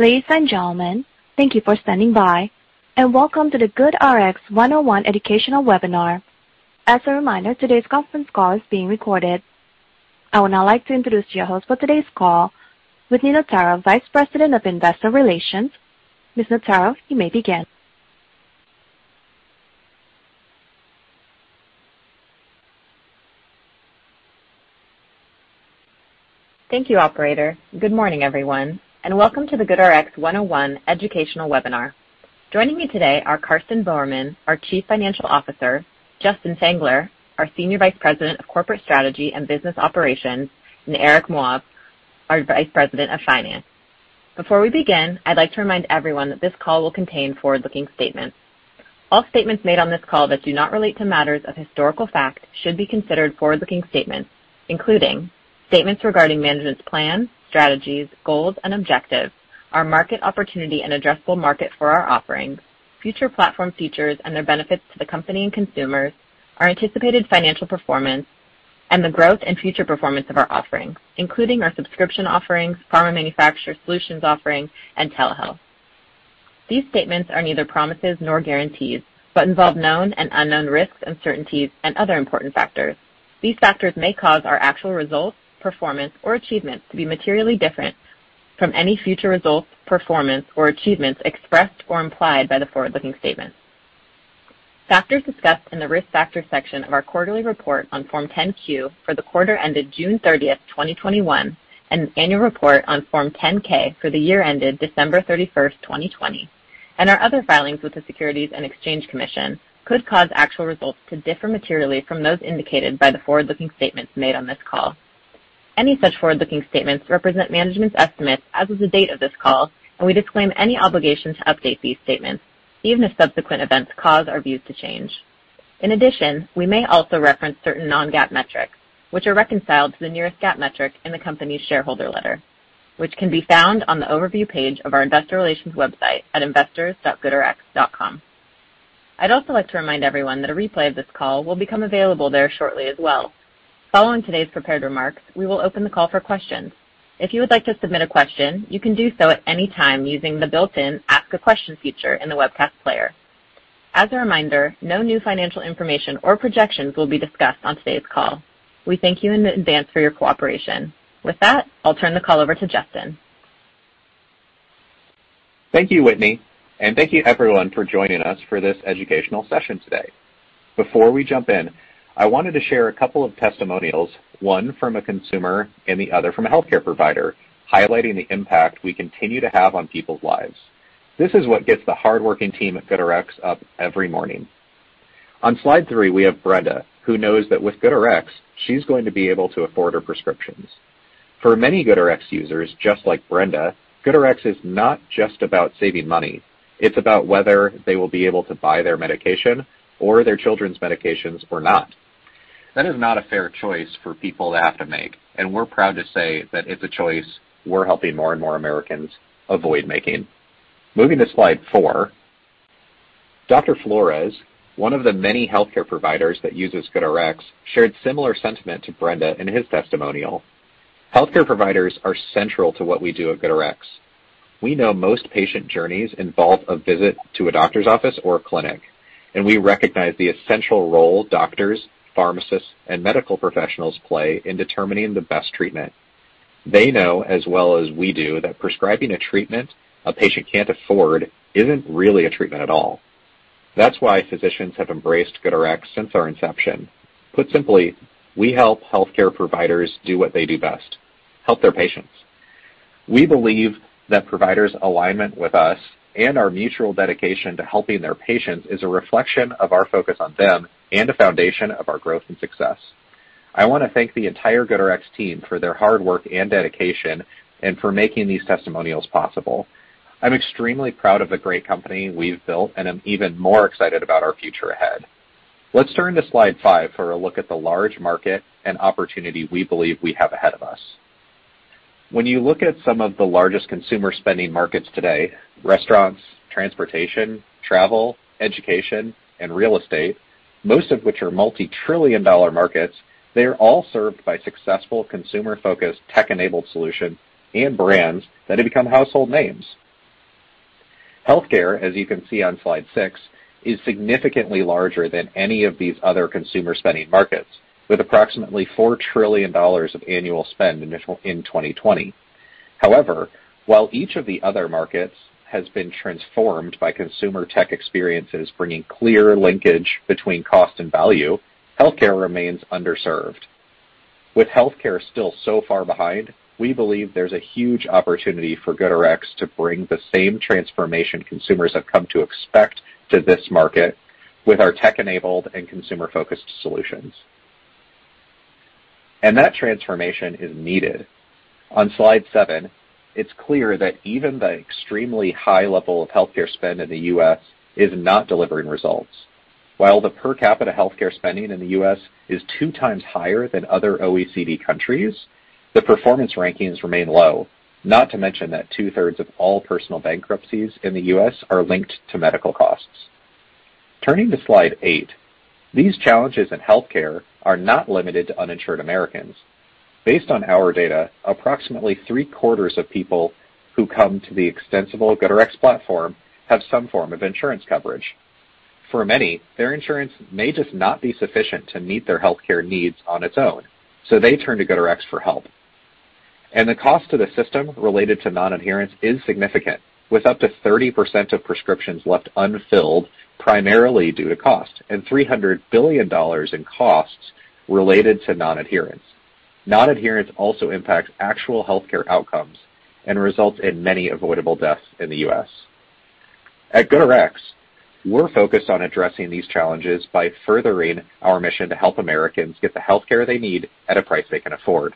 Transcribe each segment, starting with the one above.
Ladies and gentlemen, thank you for standing by, and welcome to the GoodRx 101 educational webinar. As a reminder, today's conference call is being recorded. I would now like to introduce your host for today's call, Whitney Notaro, Vice President of Investor Relations. Ms. Notaro, you may begin. Thank you, operator. Good morning, everyone, and welcome to the GoodRx 101 educational webinar. Joining me today are Karsten Voermann, our Chief Financial Officer, Justin Fengler, our Senior Vice President of Corporate Strategy and Business Operations, and Arik Moav, our Vice President of Finance. Before we begin, I'd like to remind everyone that this call will contain forward-looking statements. All statements made on this call that do not relate to matters of historical fact should be considered forward-looking statements, including statements regarding management's plans, strategies, goals, and objectives, our market opportunity and addressable market for our offerings, future platform features and their benefits to the company and consumers, our anticipated financial performance, and the growth and future performance of our offerings, including our subscription offerings, pharma manufacturer solutions offerings, and telehealth. These statements are neither promises nor guarantees but involve known and unknown risks, uncertainties, and other important factors. These factors may cause our actual results, performance, or achievements to be materially different from any future results, performance, or achievements expressed or implied by the forward-looking statements. Factors discussed in the Risk Factors section of our quarterly report on Form 10-Q for the quarter ended June 30th, 2021, and annual report on Form 10-K for the year ended December 31st, 2020, and our other filings with the Securities and Exchange Commission could cause actual results to differ materially from those indicated by the forward-looking statements made on this call. Any such forward-looking statements represent management's estimates as of the date of this call, and we disclaim any obligation to update these statements, even if subsequent events cause our views to change. In addition, we may also reference certain non-GAAP metrics, which are reconciled to the nearest GAAP metric in the company's shareholder letter, which can be found on the overview page of our investor relations website at investors.goodrx.com. I'd also like to remind everyone that a replay of this call will become available there shortly as well. Following today's prepared remarks, we will open the call for questions. If you would like to submit a question, you can do so at any time using the built-in Ask a Question feature in the webcast player. As a reminder, no new financial information or projections will be discussed on today's call. We thank you in advance for your cooperation. With that, I'll turn the call over to Justin. Thank you, Whitney. Thank you, everyone, for joining us for this educational session today. Before we jump in, I wanted to share a couple of testimonials, one from a consumer and the other from a healthcare provider, highlighting the impact we continue to have on people's lives. This is what gets the hardworking team at GoodRx up every morning. On slide three, we have Brenda, who knows that with GoodRx, she's going to be able to afford her prescriptions. For many GoodRx users, just like Brenda, GoodRx is not just about saving money. It's about whether they will be able to buy their medication or their children's medications or not. That is not a fair choice for people to have to make, and we're proud to say that it's a choice we're helping more and more Americans avoid making. Moving to slide four. Dr. Flores, one of the many healthcare providers that uses GoodRx, shared similar sentiment to Brenda in his testimonial. Healthcare providers are central to what we do at GoodRx. We know most patient journeys involve a visit to a doctor's office or a clinic, and we recognize the essential role doctors, pharmacists, and medical professionals play in determining the best treatment. They know as well as we do that prescribing a treatment a patient can't afford isn't really a treatment at all. That's why physicians have embraced GoodRx since our inception. Put simply, we help healthcare providers do what they do best: help their patients. We believe that providers' alignment with us and our mutual dedication to helping their patients is a reflection of our focus on them and a foundation of our growth and success. I want to thank the entire GoodRx team for their hard work and dedication and for making these testimonials possible. I'm extremely proud of the great company we've built, and I'm even more excited about our future ahead. Let's turn to slide five for a look at the large market and opportunity we believe we have ahead of us. When you look at some of the largest consumer spending markets today, restaurants, transportation, travel, education, and real estate, most of which are multi-trillion-dollar markets, they are all served by successful consumer-focused tech-enabled solutions and brands that have become household names. Healthcare, as you can see on slide six, is significantly larger than any of these other consumer spending markets, with approximately $4 trillion of annual spend in 2020. However, while each of the other markets has been transformed by consumer tech experiences bringing clear linkage between cost and value, healthcare remains underserved. With healthcare still so far behind, we believe there's a huge opportunity for GoodRx to bring the same transformation consumers have come to expect to this market with our tech-enabled and consumer-focused solutions. That transformation is needed. On slide seven, it's clear that even the extremely high level of healthcare spend in the U.S. is not delivering results. While the per capita healthcare spending in the U.S. is 2x higher than other OECD countries, the performance rankings remain low. Not to mention that two-thirds of all personal bankruptcies in the U.S. are linked to medical costs. Turning to slide eight, these challenges in healthcare are not limited to uninsured Americans. Based on our data, approximately three-quarters of people who come to the extensible GoodRx platform have some form of insurance coverage. For many, their insurance may just not be sufficient to meet their healthcare needs on its own, so they turn to GoodRx for help. The cost to the system related to non-adherence is significant, with up to 30% of prescriptions left unfilled primarily due to cost and $300 billion in costs related to non-adherence. Non-adherence also impacts actual healthcare outcomes and results in many avoidable deaths in the U.S. At GoodRx, we're focused on addressing these challenges by furthering our mission to help Americans get the healthcare they need at a price they can afford.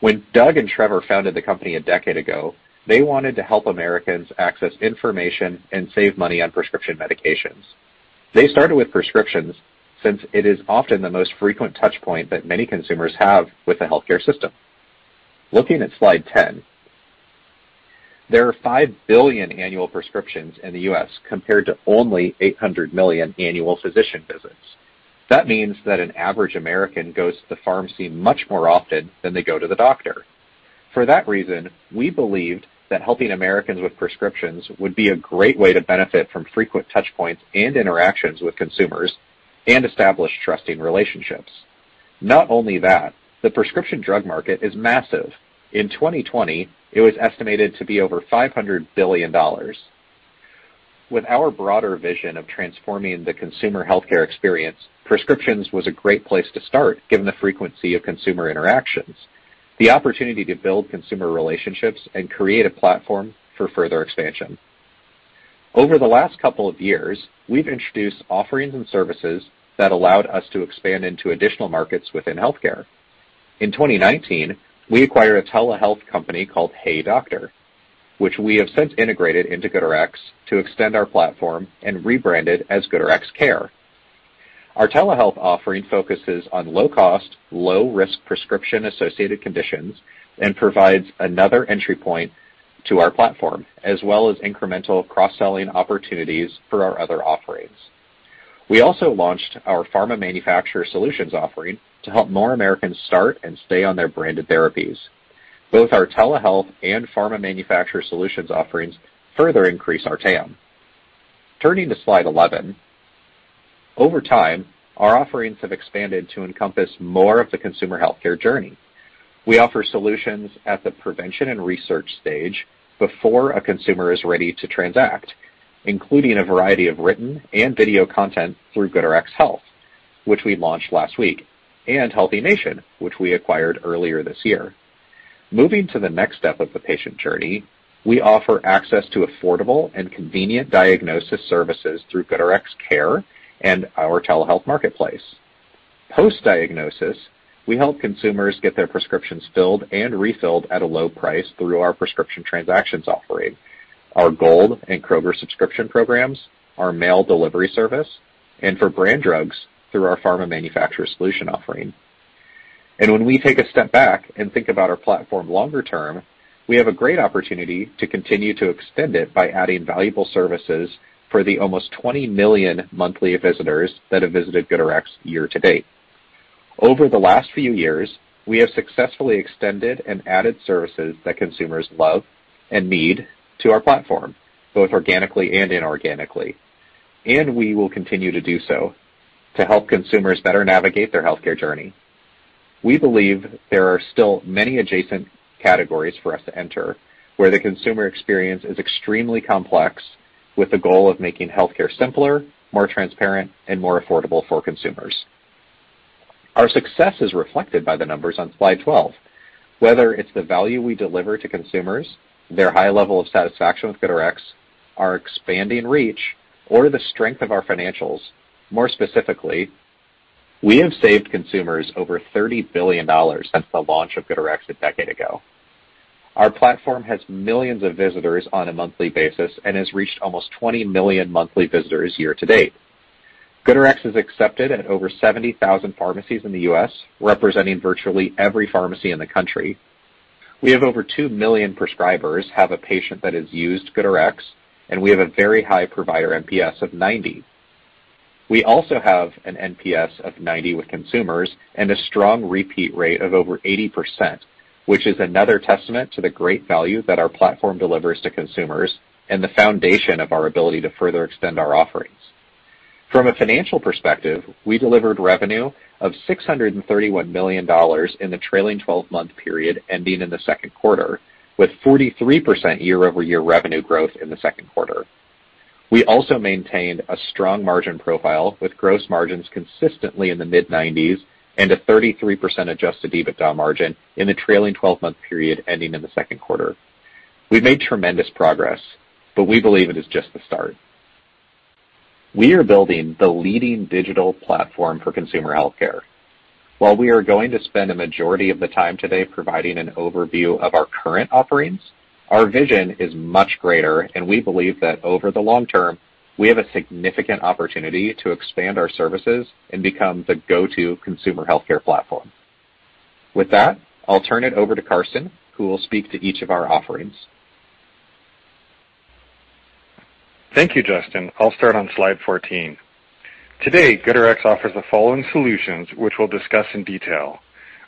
When Doug and Trevor founded the company a decade ago, they wanted to help Americans access information and save money on prescription medications. They started with prescriptions, since it is often the most frequent touch point that many consumers have with the healthcare system. Looking at slide 10, there are 5 billion annual prescriptions in the U.S. compared to only 800 million annual physician visits. That means that an average American goes to the pharmacy much more often than they go to the doctor. For that reason, we believed that helping Americans with prescriptions would be a great way to benefit from frequent touch points and interactions with consumers and establish trusting relationships. Not only that, the prescription drug market is massive. In 2020, it was estimated to be over $500 billion. With our broader vision of transforming the consumer healthcare experience, prescriptions was a great place to start given the frequency of consumer interactions, the opportunity to build consumer relationships, and create a platform for further expansion. Over the last couple of years, we've introduced offerings and services that allowed us to expand into additional markets within healthcare. In 2019, we acquired a telehealth company called HeyDoctor, which we have since integrated into GoodRx to extend our platform and rebranded as GoodRx Care. Our telehealth offering focuses on low cost, low risk prescription-associated conditions and provides another entry point to our platform, as well as incremental cross-selling opportunities for our other offerings. We also launched our pharma manufacturer solutions offering to help more Americans start and stay on their branded therapies. Both our telehealth and pharma manufacturer solutions offerings further increase our TAM. Turning to slide 11, over time, our offerings have expanded to encompass more of the consumer healthcare journey. We offer solutions at the prevention and research stage before a consumer is ready to transact, including a variety of written and video content through GoodRx Health, which we launched last week, and HealthiNation, which we acquired earlier this year. Moving to the next step of the patient journey, we offer access to affordable and convenient diagnosis services through GoodRx Care and our telehealth marketplace. Post-diagnosis, we help consumers get their prescriptions filled and refilled at a low price through our prescription transactions offering, our Gold and Kroger subscription programs, our mail delivery service, and for brand drugs, through our pharma manufacturer solution offering. When we take a step back and think about our platform longer term, we have a great opportunity to continue to extend it by adding valuable services for the almost 20 million monthly visitors that have visited GoodRx year to date. Over the last few years, we have successfully extended and added services that consumers love and need to our platform, both organically and inorganically, and we will continue to do so to help consumers better navigate their healthcare journey. We believe there are still many adjacent categories for us to enter, where the consumer experience is extremely complex, with the goal of making healthcare simpler, more transparent, and more affordable for consumers. Our success is reflected by the numbers on slide 12. Whether it's the value we deliver to consumers, their high level of satisfaction with GoodRx, our expanding reach, or the strength of our financials. More specifically, we have saved consumers over $30 billion since the launch of GoodRx a decade ago. Our platform has millions of visitors on a monthly basis and has reached almost 20 million monthly visitors year to date. GoodRx is accepted at over 70,000 pharmacies in the U.S., representing virtually every pharmacy in the country. We have over 2 million prescribers have a patient that has used GoodRx, and we have a very high provider NPS of 90. We also have an NPS of 90 with consumers and a strong repeat rate of over 80%, which is another testament to the great value that our platform delivers to consumers and the foundation of our ability to further extend our offerings. From a financial perspective, we delivered revenue of $631 million in the trailing 12-month period ending in the second quarter, with 43% year-over-year revenue growth in the second quarter. We also maintained a strong margin profile with gross margins consistently in the mid-90s and a 33% adjusted EBITDA margin in the trailing 12-month period ending in the second quarter. We've made tremendous progress. We believe it is just the start. We are building the leading digital platform for consumer healthcare. While we are going to spend a majority of the time today providing an overview of our current offerings, our vision is much greater, and we believe that over the long term, we have a significant opportunity to expand our services and become the go-to consumer healthcare platform. With that, I'll turn it over to Karsten, who will speak to each of our offerings. Thank you, Justin. I'll start on slide 14. Today, GoodRx offers the following solutions, which we'll discuss in detail.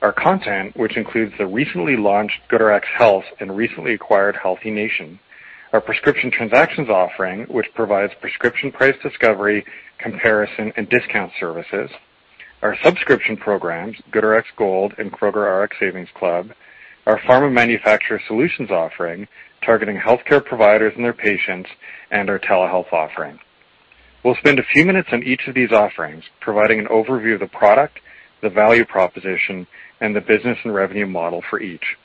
Our content, which includes the recently launched GoodRx Health and recently acquired HealthiNation. Our prescription transactions offering, which provides prescription price discovery, comparison, and discount services. Our subscription programs, GoodRx Gold and Kroger Rx Savings Club. Our pharma manufacturer solutions offering, targeting healthcare providers and their patients, and our telehealth offering. We'll spend a few minutes on each of these offerings, providing an overview of the product, the value proposition, and the business and revenue model for each.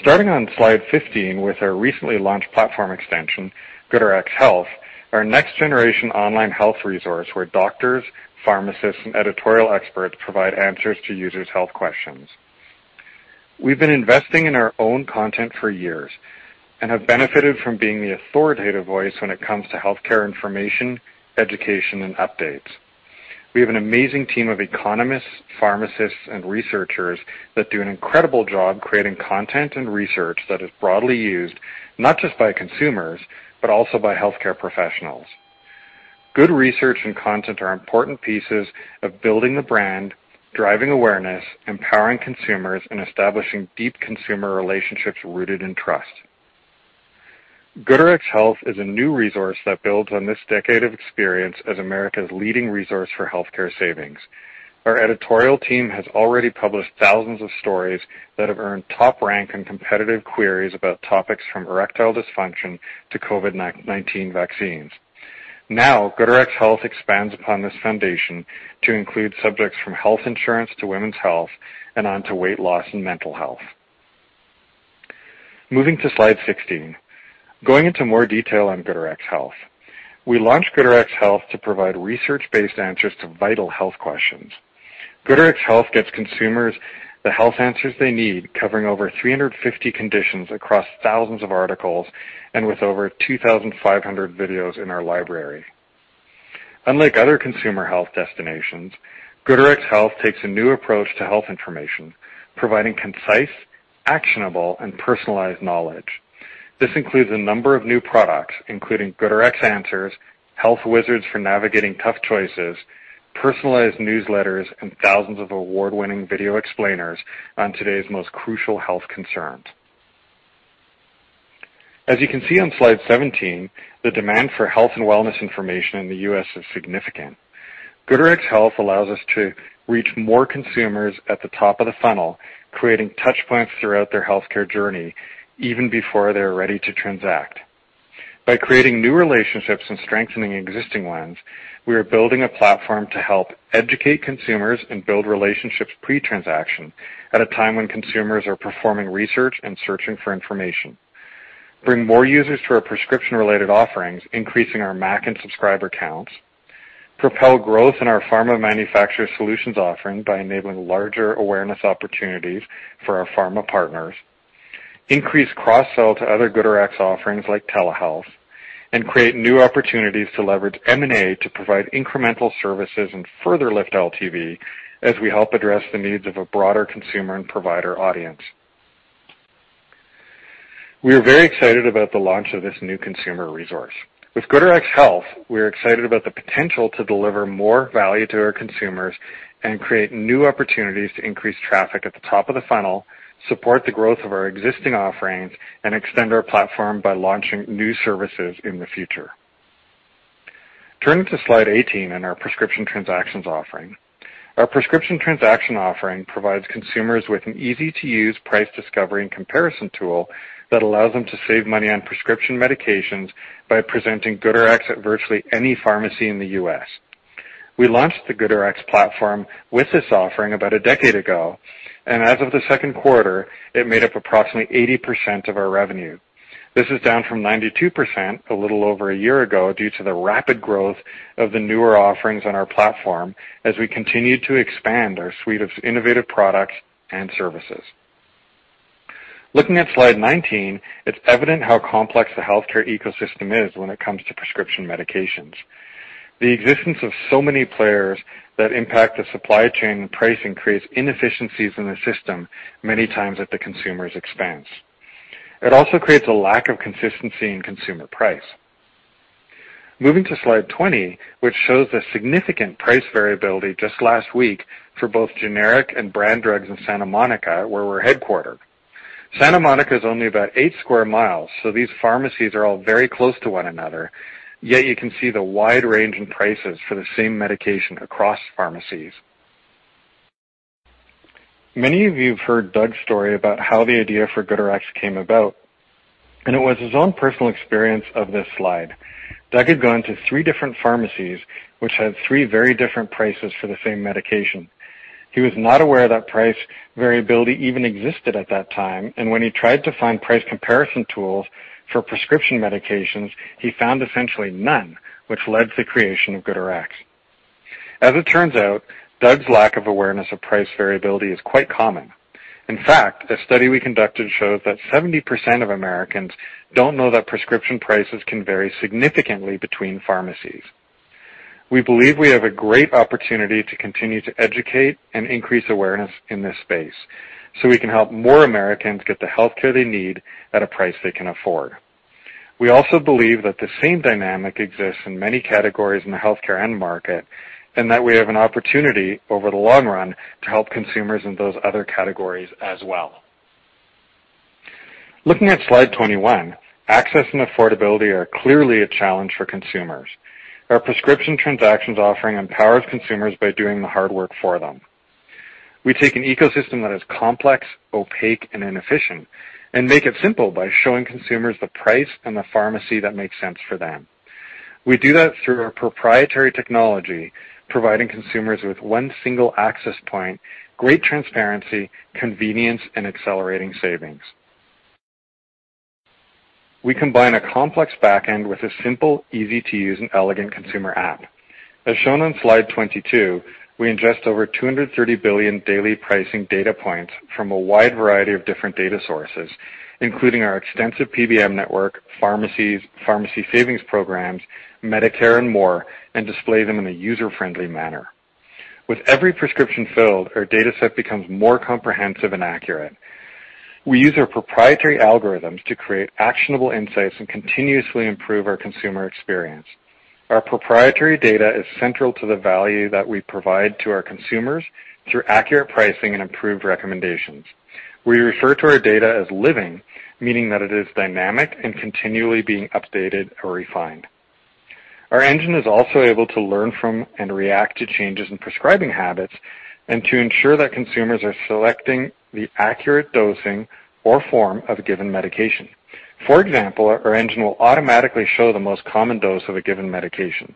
Starting on slide 15 with our recently launched platform extension, GoodRx Health, our next generation online health resource where doctors, pharmacists, and editorial experts provide answers to users' health questions. We've been investing in our own content for years and have benefited from being the authoritative voice when it comes to healthcare information, education, and updates. We have an amazing team of economists, pharmacists, and researchers that do an incredible job creating content and research that is broadly used not just by consumers, but also by Healthcare Professionals. Good research and content are important pieces of building the brand, driving awareness, empowering consumers, and establishing deep consumer relationships rooted in trust. GoodRx Health is a new resource that builds on this decade of experience as America's leading resource for healthcare savings. Our editorial team has already published thousands of stories that have earned top rank in competitive queries about topics from erectile dysfunction to COVID-19 vaccines. GoodRx Health expands upon this foundation to include subjects from health insurance to women's health and on to weight loss and mental health. Moving to slide 16. Going into more detail on GoodRx Health. We launched GoodRx Health to provide research-based answers to vital health questions. GoodRx Health gives consumers the health answers they need, covering over 350 conditions across thousands of articles, and with over 2,500 videos in our library. Unlike other consumer health destinations, GoodRx Health takes a new approach to health information, providing concise, actionable, and personalized knowledge. This includes a number of new products, including GoodRx Answers, health wizards for navigating tough choices, personalized newsletters, and thousands of award-winning video explainers on today's most crucial health concerns. As you can see on slide 17, the demand for health and wellness information in the U.S. is significant. GoodRx Health allows us to reach more consumers at the top of the funnel, creating touchpoints throughout their healthcare journey, even before they're ready to transact. By creating new relationships and strengthening existing ones, we are building a platform to help educate consumers and build relationships pre-transaction, at a time when consumers are performing research and searching for information. Bring more users to our prescription-related offerings, increasing our MAC and subscriber counts. Propel growth in our pharma manufacturer solutions offering by enabling larger awareness opportunities for our pharma partners. Increase cross-sell to other GoodRx offerings like telehealth, and create new opportunities to leverage M&A to provide incremental services and further lift LTV as we help address the needs of a broader consumer and provider audience. We are very excited about the launch of this new consumer resource. With GoodRx Health, we are excited about the potential to deliver more value to our consumers and create new opportunities to increase traffic at the top of the funnel, support the growth of our existing offerings, and extend our platform by launching new services in the future. Turning to slide 18 and our prescription transactions offering. Our prescription transaction offering provides consumers with an easy-to-use price discovery and comparison tool that allows them to save money on prescription medications by presenting GoodRx at virtually any pharmacy in the U.S. We launched the GoodRx platform with this offering about a decade ago. As of the second quarter, it made up approximately 80% of our revenue. This is down from 92% a little over a year ago due to the rapid growth of the newer offerings on our platform as we continue to expand our suite of innovative products and services. Looking at slide 19, it's evident how complex the healthcare ecosystem is when it comes to prescription medications. The existence of so many players that impact the supply chain and pricing creates inefficiencies in the system, many times at the consumer's expense. It also creates a lack of consistency in consumer price. Moving to slide 20, which shows the significant price variability just last week for both generic and brand drugs in Santa Monica, where we're headquartered. Santa Monica is only about eight square miles, so these pharmacies are all very close to one another. Yet you can see the wide range in prices for the same medication across pharmacies. Many of you have heard Doug's story about how the idea for GoodRx came about, and it was his own personal experience of this slide. Doug had gone to three different pharmacies, which had three very different prices for the same medication. He was not aware that price variability even existed at that time, and when he tried to find price comparison tools for prescription medications, he found essentially none, which led to the creation of GoodRx. As it turns out, Doug's lack of awareness of price variability is quite common. In fact, a study we conducted shows that 70% of Americans don't know that prescription prices can vary significantly between pharmacies. We believe we have a great opportunity to continue to educate and increase awareness in this space so we can help more Americans get the healthcare they need at a price they can afford. We also believe that the same dynamic exists in many categories in the healthcare end market, and that we have an opportunity over the long run to help consumers in those other categories as well. Looking at slide 21, access and affordability are clearly a challenge for consumers. Our prescription transactions offering empowers consumers by doing the hard work for them. We take an ecosystem that is complex, opaque, and inefficient, and make it simple by showing consumers the price and the pharmacy that makes sense for them. We do that through our proprietary technology, providing consumers with one single access point, great transparency, convenience, and accelerating savings. We combine a complex back end with a simple, easy-to-use, and elegant consumer app. As shown on slide 22, we ingest over 230 billion daily pricing data points from a wide variety of different data sources, including our extensive PBM network, pharmacies, pharmacy savings programs, Medicare and more, and display them in a user-friendly manner. With every prescription filled, our dataset becomes more comprehensive and accurate. We use our proprietary algorithms to create actionable insights and continuously improve our consumer experience. Our proprietary data is central to the value that we provide to our consumers through accurate pricing and improved recommendations. We refer to our data as living, meaning that it is dynamic and continually being updated or refined. Our engine is also able to learn from and react to changes in prescribing habits and to ensure that consumers are selecting the accurate dosing or form of a given medication. For example, our engine will automatically show the most common dose of a given medication.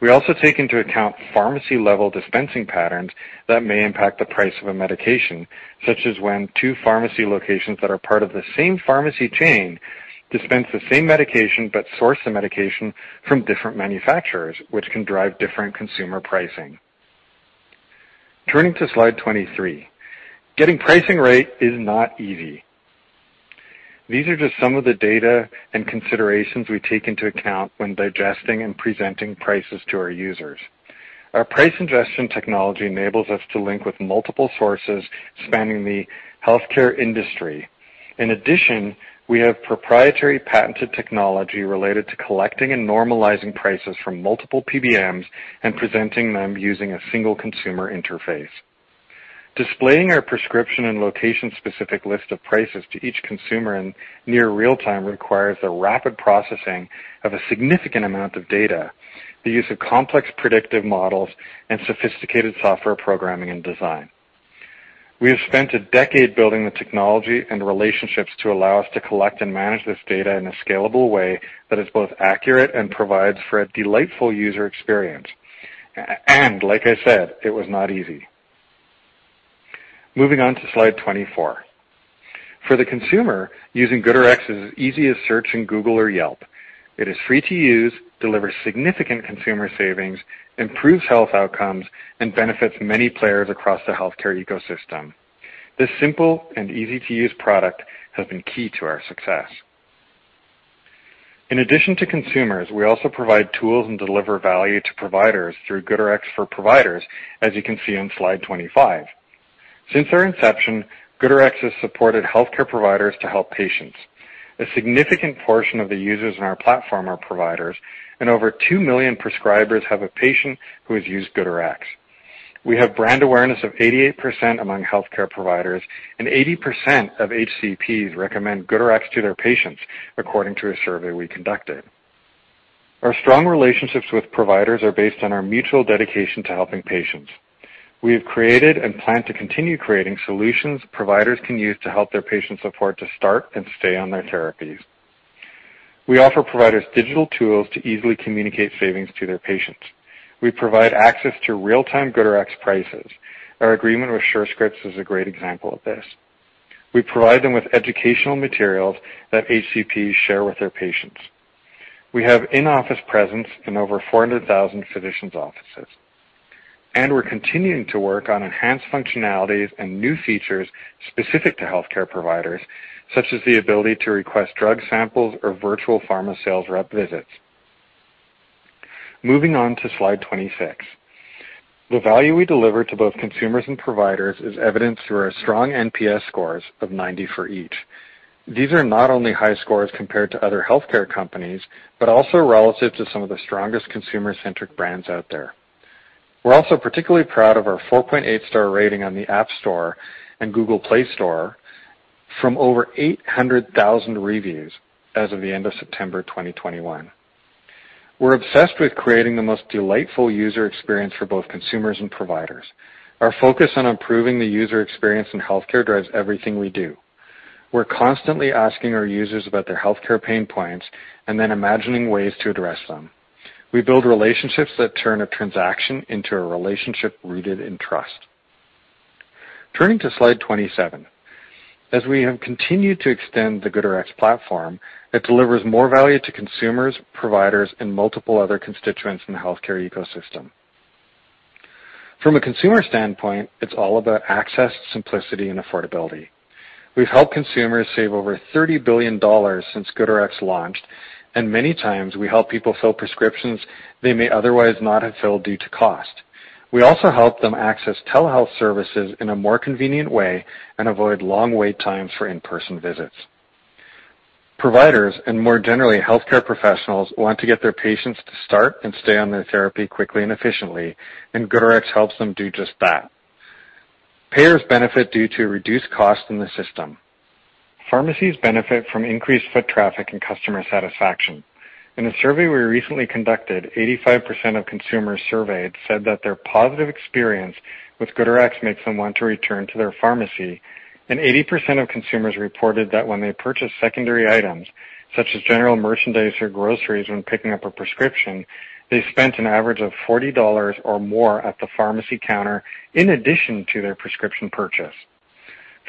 We also take into account pharmacy-level dispensing patterns that may impact the price of a medication, such as when two pharmacy locations that are part of the same pharmacy chain dispense the same medication but source the medication from different manufacturers, which can drive different consumer pricing. Turning to slide 23. Getting pricing right is not easy. These are just some of the data and considerations we take into account when digesting and presenting prices to our users. Our price ingestion technology enables us to link with multiple sources spanning the healthcare industry. In addition, we have proprietary patented technology related to collecting and normalizing prices from multiple PBMs and presenting them using a single consumer interface. Displaying our prescription and location-specific list of prices to each consumer in near real time requires the rapid processing of a significant amount of data, the use of complex predictive models, and sophisticated software programming and design. We have spent a decade building the technology and relationships to allow us to collect and manage this data in a scalable way that is both accurate and provides for a delightful user experience. Like I said, it was not easy. Moving on to slide 24. For the consumer, using GoodRx is as easy as searching Google or Yelp. It is free to use, delivers significant consumer savings, improves health outcomes, and benefits many players across the healthcare ecosystem. This simple and easy-to-use product has been key to our success. In addition to consumers, we also provide tools and deliver value to providers through GoodRx for Providers, as you can see on slide 25. Since our inception, GoodRx has supported Healthcare Providers to help patients. A significant portion of the users on our platform are providers, and over 2 million prescribers have a patient who has used GoodRx. We have brand awareness of 88% among Healthcare Providers, and 80% of HCPs recommend GoodRx to their patients, according to a survey we conducted. Our strong relationships with providers are based on our mutual dedication to helping patients. We have created and plan to continue creating solutions providers can use to help their patients afford to start and stay on their therapies. We offer providers digital tools to easily communicate savings to their patients. We provide access to real-time GoodRx prices. Our agreement with Surescripts is a great example of this. We provide them with educational materials that HCPs share with their patients. We have in-office presence in over 400,000 physicians' offices. We're continuing to work on enhanced functionalities and new features specific to healthcare providers, such as the ability to request drug samples or virtual pharma sales rep visits. Moving on to slide 26. The value we deliver to both consumers and providers is evidenced through our strong NPS scores of 90 for each. These are not only high scores compared to other healthcare companies, but also relative to some of the strongest consumer-centric brands out there. We're also particularly proud of our 4.8-star rating on the App Store and Google Play Store from over 800,000 reviews as of the end of September 2021. We're obsessed with creating the most delightful user experience for both consumers and providers. Our focus on improving the user experience in healthcare drives everything we do. We're constantly asking our users about their healthcare pain points and then imagining ways to address them. We build relationships that turn a transaction into a relationship rooted in trust. Turning to slide 27. As we have continued to extend the GoodRx platform, it delivers more value to consumers, providers, and multiple other constituents in the healthcare ecosystem. From a consumer standpoint, it's all about access, simplicity, and affordability. We've helped consumers save over $30 billion since GoodRx launched, and many times we help people fill prescriptions they may otherwise not have filled due to cost. We also help them access telehealth services in a more convenient way and avoid long wait times for in-person visits. Providers, and more generally, Healthcare Professionals, want to get their patients to start and stay on their therapy quickly and efficiently, and GoodRx helps them do just that. Payers benefit due to reduced costs in the system. Pharmacies benefit from increased foot traffic and customer satisfaction. In a survey we recently conducted, 85% of consumers surveyed said that their positive experience with GoodRx makes them want to return to their pharmacy, and 80% of consumers reported that when they purchase secondary items, such as general merchandise or groceries when picking up a prescription, they spent an average of $40 or more at the pharmacy counter in addition to their prescription purchase.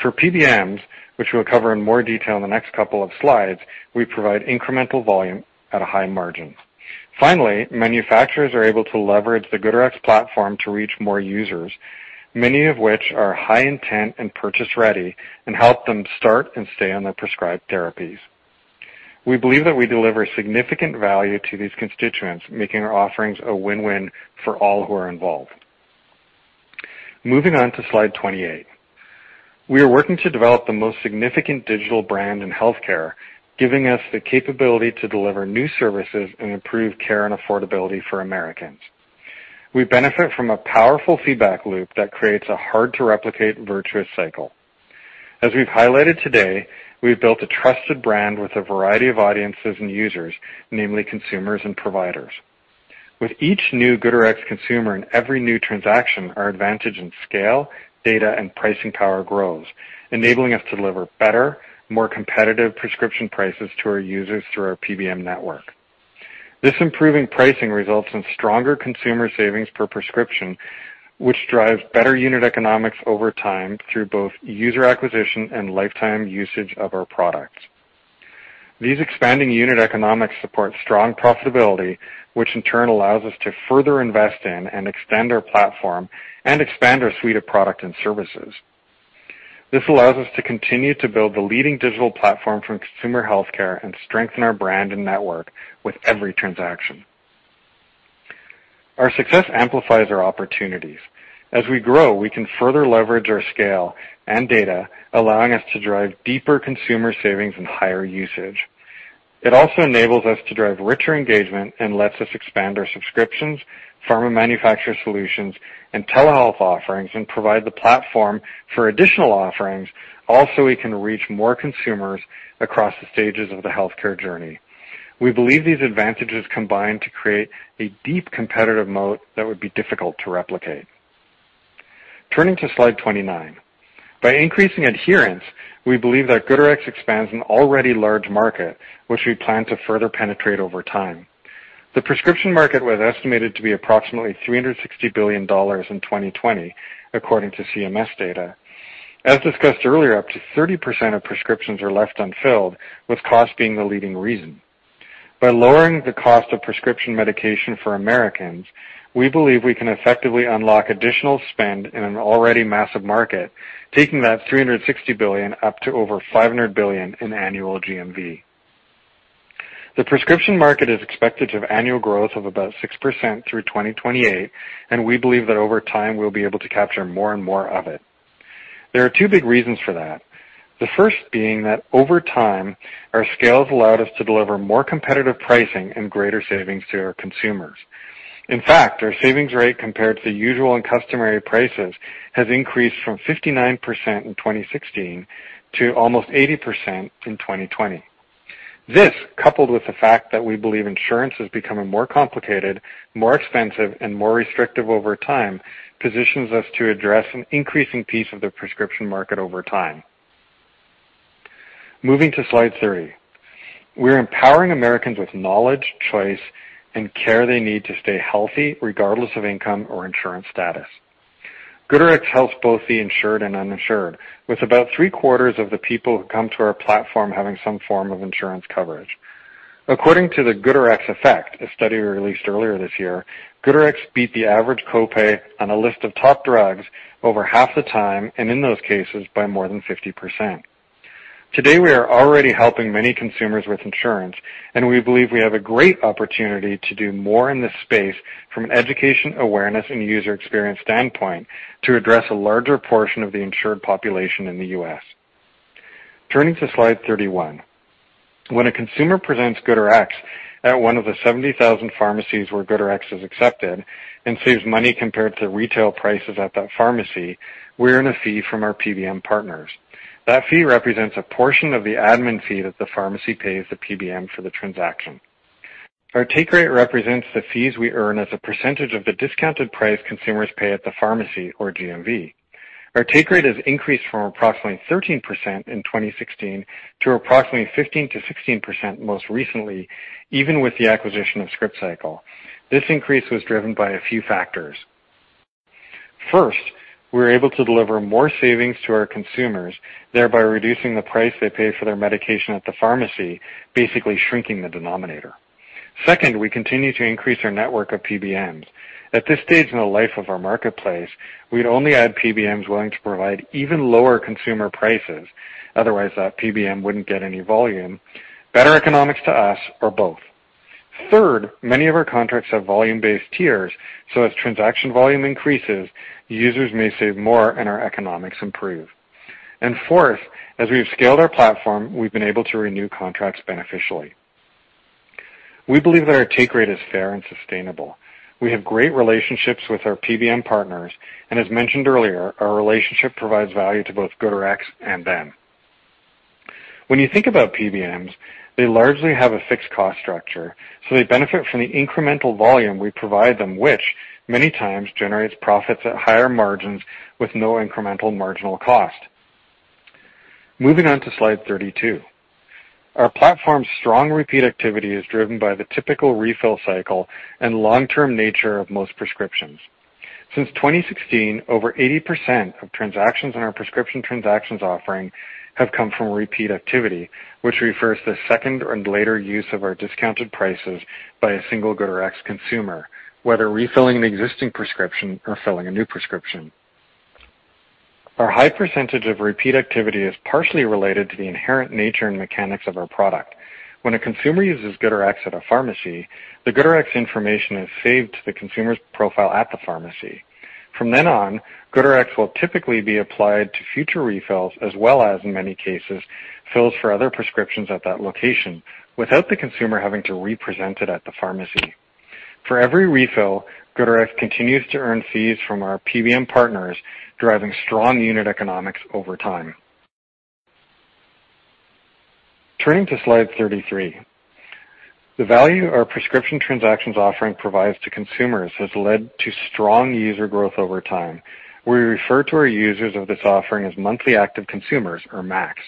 For PBMs, which we'll cover in more detail in the next couple of slides, we provide incremental volume at a high margin. Finally, manufacturers are able to leverage the GoodRx platform to reach more users, many of which are high-intent and purchase ready, and help them start and stay on their prescribed therapies. We believe that we deliver significant value to these constituents, making our offerings a win-win for all who are involved. Moving on to slide 28. We are working to develop the most significant digital brand in healthcare, giving us the capability to deliver new services and improve care and affordability for Americans. We benefit from a powerful feedback loop that creates a hard-to-replicate virtuous cycle. As we've highlighted today, we've built a trusted brand with a variety of audiences and users, namely consumers and providers. With each new GoodRx consumer and every new transaction, our advantage in scale, data, and pricing power grows, enabling us to deliver better, more competitive prescription prices to our users through our PBM network. This improving pricing results in stronger consumer savings per prescription, which drives better unit economics over time through both user acquisition and lifetime usage of our product. These expanding unit economics support strong profitability, which in turn allows us to further invest in and extend our platform and expand our suite of products and services. This allows us to continue to build the leading digital platform for consumer healthcare and strengthen our brand and network with every transaction. Our success amplifies our opportunities. As we grow, we can further leverage our scale and data, allowing us to drive deeper consumer savings and higher usage. It also enables us to drive richer engagement and lets us expand our subscriptions, pharma manufacturer solutions, and telehealth offerings, and provide the platform for additional offerings. We can reach more consumers across the stages of the healthcare journey. We believe these advantages combine to create a deep competitive moat that would be difficult to replicate. Turning to slide 29. By increasing adherence, we believe that GoodRx expands an already large market, which we plan to further penetrate over time. The prescription market was estimated to be approximately $360 billion in 2020, according to CMS data. As discussed earlier, up to 30% of prescriptions are left unfilled, with cost being the leading reason. By lowering the cost of prescription medication for Americans, we believe we can effectively unlock additional spend in an already massive market, taking that $360 billion up to over $500 billion in annual GMV. The prescription market is expected to have annual growth of about 6% through 2028, and we believe that over time, we'll be able to capture more and more of it. There are two big reasons for that. The first being that over time, our scales allowed us to deliver more competitive pricing and greater savings to our consumers. In fact, our savings rate compared to usual and customary prices has increased from 59% in 2016 to almost 80% in 2020. This, coupled with the fact that we believe insurance is becoming more complicated, more expensive, and more restrictive over time, positions us to address an increasing piece of the prescription market over time. Moving to slide 30. We're empowering Americans with knowledge, choice, and care they need to stay healthy regardless of income or insurance status. GoodRx helps both the insured and uninsured, with about three-quarters of the people who come to our platform having some form of insurance coverage. According to The GoodRx Effect, a study released earlier this year, GoodRx beat the average copay on a list of top drugs over half the time, and in those cases, by more than 50%. Today, we are already helping many consumers with insurance, and we believe we have a great opportunity to do more in this space from an education, awareness, and user experience standpoint to address a larger portion of the insured population in the U.S. Turning to slide 31. When a consumer presents GoodRx at one of the 70,000 pharmacies where GoodRx is accepted and saves money compared to retail prices at that pharmacy, we earn a fee from our PBM partners. That fee represents a portion of the admin fee that the pharmacy pays the PBM for the transaction. Our take rate represents the fees we earn as a percentage of the discounted price consumers pay at the pharmacy or GMV. Our take rate has increased from approximately 13% in 2016 to approximately 15%-16% most recently, even with the acquisition of Scriptcycle. This increase was driven by a few factors. First, we were able to deliver more savings to our consumers, thereby reducing the price they pay for their medication at the pharmacy, basically shrinking the denominator. Second, we continue to increase our network of PBMs. At this stage in the life of our marketplace, we'd only add PBMs willing to provide even lower consumer prices. Otherwise, that PBM wouldn't get any volume, better economics to us, or both. Third, many of our contracts have volume-based tiers, so as transaction volume increases, users may save more and our economics improve. Forth, as we've scaled our platform, we've been able to renew contracts beneficially. We believe that our take rate is fair and sustainable. We have great relationships with our PBM partners, and as mentioned earlier, our relationship provides value to both GoodRx and them. When you think about PBMs, they largely have a fixed cost structure, so they benefit from the incremental volume we provide them, which many times generates profits at higher margins with no incremental marginal cost. Moving on to slide 32. Our platform's strong repeat activity is driven by the typical refill cycle and long-term nature of most prescriptions. Since 2016, over 80% of transactions on our prescription transactions offering have come from repeat activity, which refers to second and later use of our discounted prices by a single GoodRx consumer, whether refilling an existing prescription or filling a new prescription. Our high percentage of repeat activity is partially related to the inherent nature and mechanics of our product. When a consumer uses GoodRx at a pharmacy, the GoodRx information is saved to the consumer's profile at the pharmacy. From then on, GoodRx will typically be applied to future refills, as well as, in many cases, fills for other prescriptions at that location without the consumer having to represent it at the pharmacy. For every refill, GoodRx continues to earn fees from our PBM partners, driving strong unit economics over time. Turning to slide 33. The value our prescription transactions offering provides to consumers has led to strong user growth over time. We refer to our users of this offering as Monthly Active Consumers, or MACs.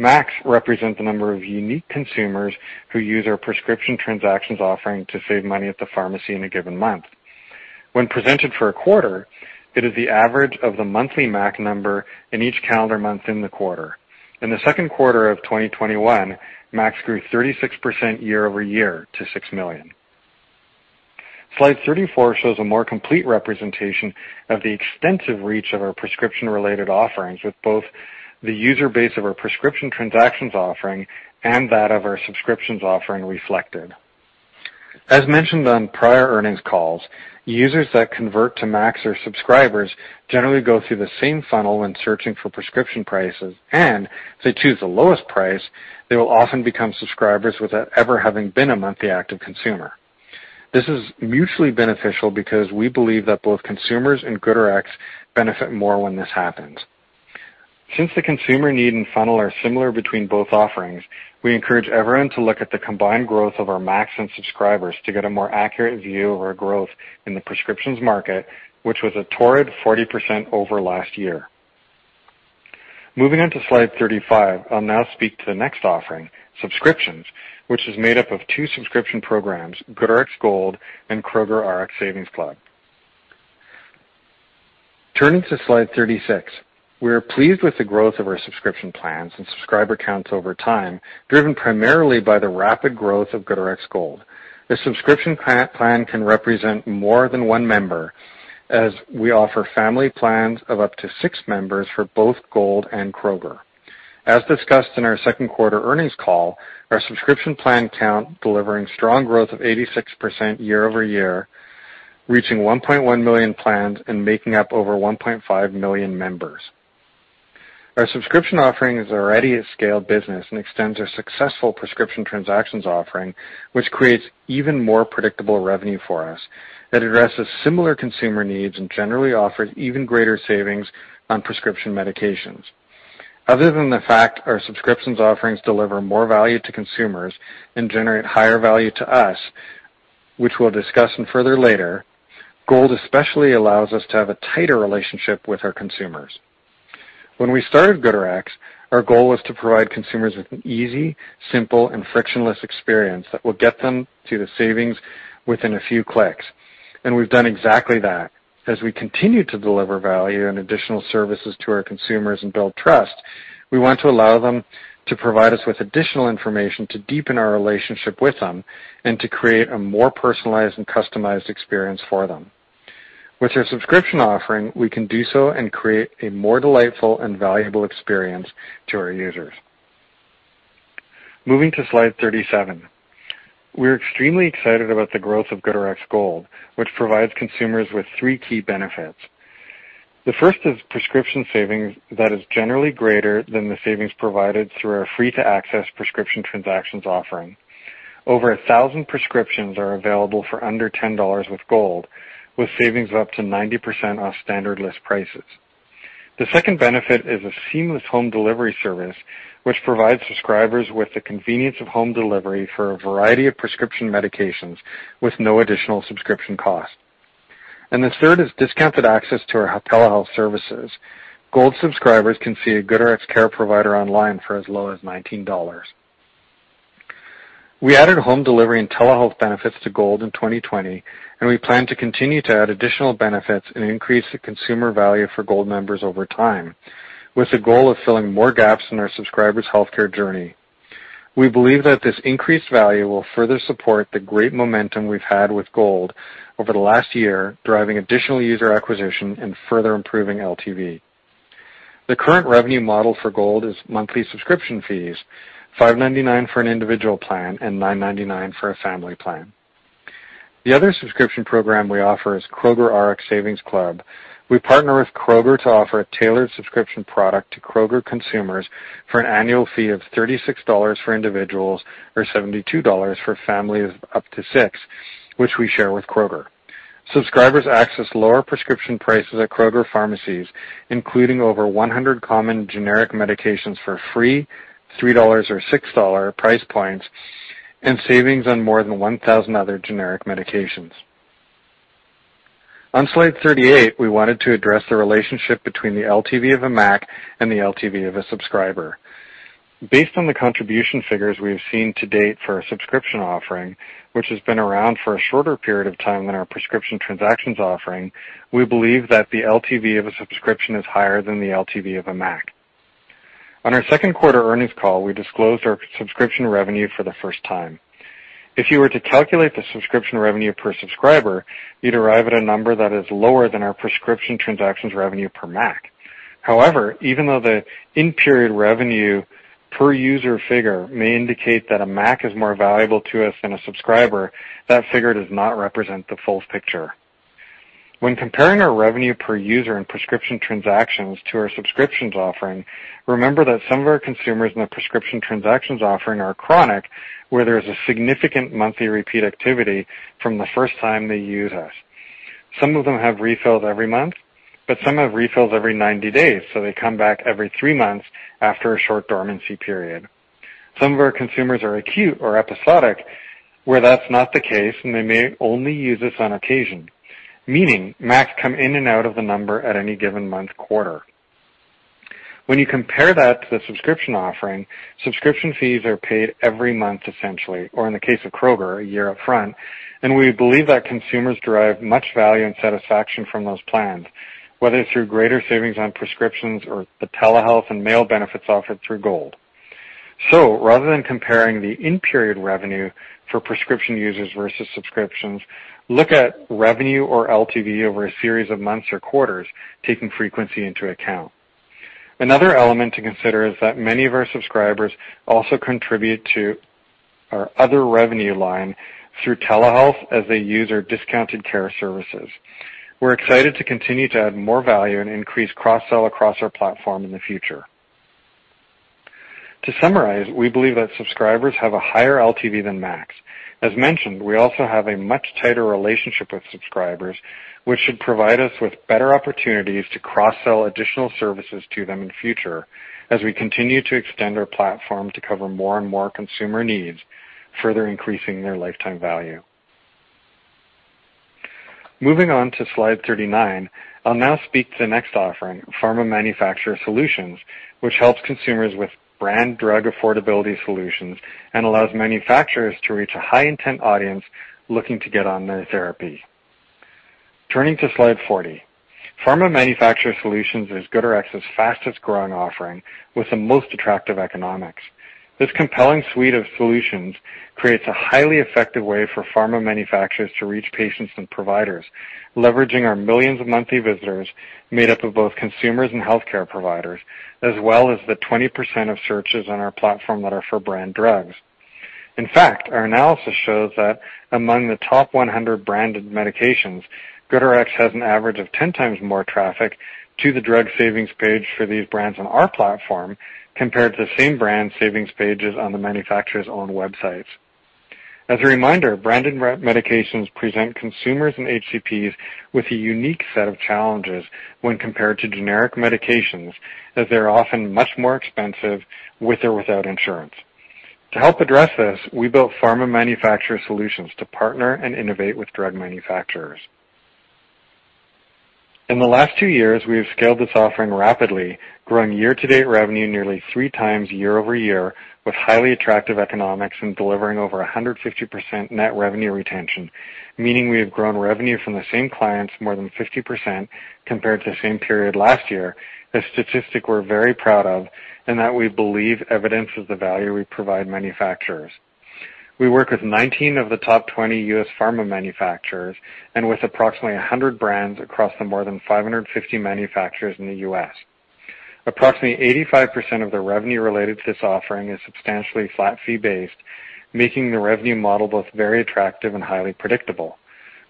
MACs represent the number of unique consumers who use our prescription transactions offering to save money at the pharmacy in a given month. When presented for a quarter, it is the average of the monthly MAC number in each calendar month in the quarter. In the second quarter of 2021, MACs grew 36% year-over-year to 6 million. Slide 34 shows a more complete representation of the extensive reach of our prescription-related offerings with both the user base of our prescription transactions offering and that of our subscriptions offering reflected. As mentioned on prior earnings calls, users that convert to MACs or subscribers generally go through the same funnel when searching for prescription prices and, if they choose the lowest price, they will often become subscribers without ever having been a Monthly Active Consumer. This is mutually beneficial because we believe that both consumers and GoodRx benefit more when this happens. Since the consumer need and funnel are similar between both offerings, we encourage everyone to look at the combined growth of our MACs and subscribers to get a more accurate view of our growth in the prescriptions market, which was a torrid 40% over last year. Moving on to slide 35, I'll now speak to the next offering, subscriptions, which is made up of two subscription programs, GoodRx Gold and Kroger Rx Savings Club. Turning to slide 36, we are pleased with the growth of our subscription plans and subscriber counts over time, driven primarily by the rapid growth of GoodRx Gold. This subscription plan can represent more than one member, as we offer family plans of up to six members for both Gold and Kroger. As discussed in our second quarter earnings call, our subscription plan count delivering strong growth of 86% year-over-year, reaching 1.1 million plans and making up over 1.5 million members. Our subscription offering is already a scaled business and extends our successful prescription transactions offering, which creates even more predictable revenue for us that addresses similar consumer needs and generally offers even greater savings on prescription medications. Other than the fact our subscriptions offerings deliver more value to consumers and generate higher value to us, which we'll discuss in further later, Gold especially allows us to have a tighter relationship with our consumers. When we started GoodRx, our goal was to provide consumers with an easy, simple, and frictionless experience that will get them to the savings within a few clicks, and we've done exactly that. As we continue to deliver value and additional services to our consumers and build trust, we want to allow them to provide us with additional information to deepen our relationship with them and to create a more personalized and customized experience for them. With our subscription offering, we can do so and create a more delightful and valuable experience to our users. Moving to slide 37. We're extremely excited about the growth of GoodRx Gold, which provides consumers with three key benefits. The first is prescription savings that is generally greater than the savings provided through our free-to-access prescription transactions offering. Over 1,000 prescriptions are available for under $10 with Gold, with savings of up to 90% off standard list prices. The second benefit is a seamless home delivery service, which provides subscribers with the convenience of home delivery for a variety of prescription medications with no additional subscription cost. The third is discounted access to our telehealth services. Gold subscribers can see a GoodRx Care provider online for as low as $19. We added home delivery and telehealth benefits to Gold in 2020. We plan to continue to add additional benefits and increase the consumer value for Gold members over time, with the goal of filling more gaps in our subscribers' healthcare journey. We believe that this increased value will further support the great momentum we've had with Gold over the last year, driving additional user acquisition and further improving LTV. The current revenue model for Gold is monthly subscription fees, $5.99 for an individual plan and $9.99 for a family plan. The other subscription program we offer is Kroger Rx Savings Club. We partner with Kroger to offer a tailored subscription product to Kroger consumers for an annual fee of $36 for individuals or $72 for families up to six, which we share with Kroger. Subscribers access lower prescription prices at Kroger pharmacies, including over 100 common generic medications for free, $3 or $6 price points, and savings on more than 1,000 other generic medications. On slide 38, we wanted to address the relationship between the LTV of a MAC and the LTV of a subscriber. Based on the contribution figures we have seen to date for our subscription offering, which has been around for a shorter period of time than our prescription transactions offering, we believe that the LTV of a subscription is higher than the LTV of a MAC. On our second quarter earnings call, we disclosed our subscription revenue for the first time. If you were to calculate the subscription revenue per subscriber, you'd arrive at a number that is lower than our prescription transactions revenue per MAC. However, even though the in-period revenue per user figure may indicate that a MAC is more valuable to us than a subscriber, that figure does not represent the full picture. When comparing our revenue per user in prescription transactions to our subscriptions offering, remember that some of our consumers in the prescription transactions offering are chronic, where there is a significant monthly repeat activity from the first time they use us. Some of them have refills every month, but some have refills every 90 days, so they come back every three months after a short dormancy period. Some of our consumers are acute or episodic, where that's not the case. They may only use us on occasion, meaning MACs come in and out of the number at any given month quarter. When you compare that to the subscription offering, subscription fees are paid every month essentially, or in the case of Kroger, a year upfront. We believe that consumers derive much value and satisfaction from those plans, whether through greater savings on prescriptions or the telehealth and mail benefits offered through Gold. Rather than comparing the in-period revenue for prescription users versus subscriptions, look at revenue or LTV over a series of months or quarters, taking frequency into account. Another element to consider is that many of our subscribers also contribute to our other revenue line through telehealth as they use our discounted care services. We're excited to continue to add more value and increase cross-sell across our platform in the future. To summarize, we believe that subscribers have a higher LTV than MACs. As mentioned, we also have a much tighter relationship with subscribers, which should provide us with better opportunities to cross-sell additional services to them in future as we continue to extend our platform to cover more and more consumer needs, further increasing their lifetime value. Moving on to slide 39, I'll now speak to the next offering, Pharma Manufacturer Solutions, which helps consumers with brand drug affordability solutions and allows manufacturers to reach a high-intent audience looking to get on their therapy. Turning to slide 40. Pharma Manufacturer Solutions is GoodRx's fastest-growing offering with the most attractive economics. This compelling suite of solutions creates a highly effective way for pharma manufacturers to reach patients and providers, leveraging our millions of monthly visitors made up of both consumers and healthcare providers, as well as the 20% of searches on our platform that are for brand drugs. In fact, our analysis shows that among the top 100 branded medications, GoodRx has an average of 10x more traffic to the drug savings page for these brands on our platform compared to the same brand savings pages on the manufacturer's own websites. As a reminder, branded medications present consumers and HCPs with a unique set of challenges when compared to generic medications, as they're often much more expensive with or without insurance. To help address this, we built Pharma Manufacturer Solutions to partner and innovate with drug manufacturers. In the last two years, we have scaled this offering rapidly, growing year-to-date revenue nearly three times year-over-year with highly attractive economics and delivering over 150% net revenue retention, meaning we have grown revenue from the same clients more than 50% compared to the same period last year. A statistic we're very proud of and that we believe evidences the value we provide manufacturers. We work with 19 of the top 20 U.S. pharma manufacturers and with approximately 100 brands across the more than 550 manufacturers in the U.S. Approximately 85% of the revenue related to this offering is substantially flat fee-based, making the revenue model both very attractive and highly predictable.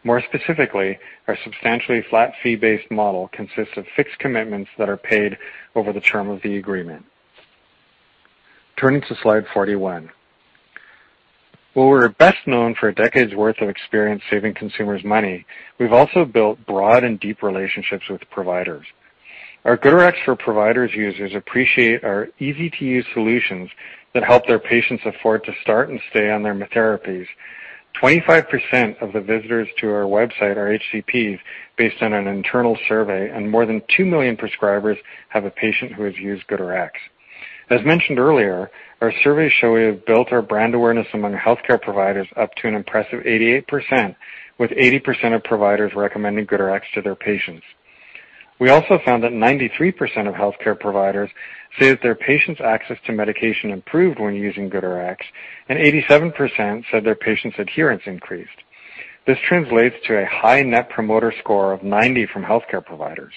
More specifically, our substantially flat fee-based model consists of fixed commitments that are paid over the term of the agreement. Turning to slide 41. While we're best known for a decade's worth of experience saving consumers money, we've also built broad and deep relationships with providers. Our GoodRx for Providers users appreciate our easy-to-use solutions that help their patients afford to start and stay on their therapies. 25% of the visitors to our website are HCPs based on an internal survey, and more than 2 million prescribers have a patient who has used GoodRx. As mentioned earlier, our surveys show we have built our brand awareness among healthcare providers up to an impressive 88%, with 80% of providers recommending GoodRx to their patients. We also found that 93% of healthcare providers say that their patients' access to medication improved when using GoodRx, and 87% said their patients' adherence increased. This translates to a high net promoter score of 90 from healthcare providers.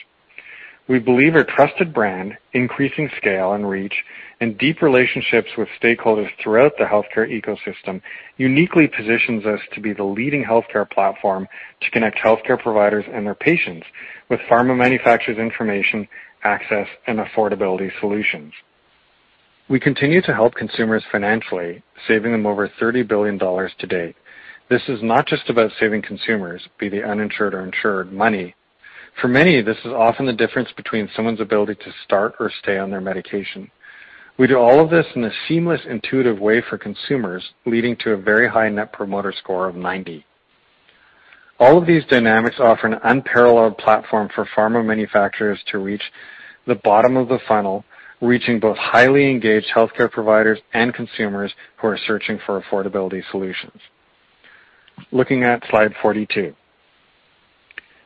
We believe our trusted brand, increasing scale and reach, and deep relationships with stakeholders throughout the healthcare ecosystem uniquely positions us to be the leading healthcare platform to connect healthcare providers and their patients with pharma manufacturers' information, access, and affordability solutions. We continue to help consumers financially, saving them over $30 billion to date. This is not just about saving consumers, be they uninsured or insured, money. For many, this is often the difference between someone's ability to start or stay on their medication. We do all of this in a seamless, intuitive way for consumers, leading to a very high net promoter score of 90. All of these dynamics offer an unparalleled platform for pharma manufacturers to reach the bottom of the funnel, reaching both highly engaged healthcare providers and consumers who are searching for affordability solutions. Looking at slide 42.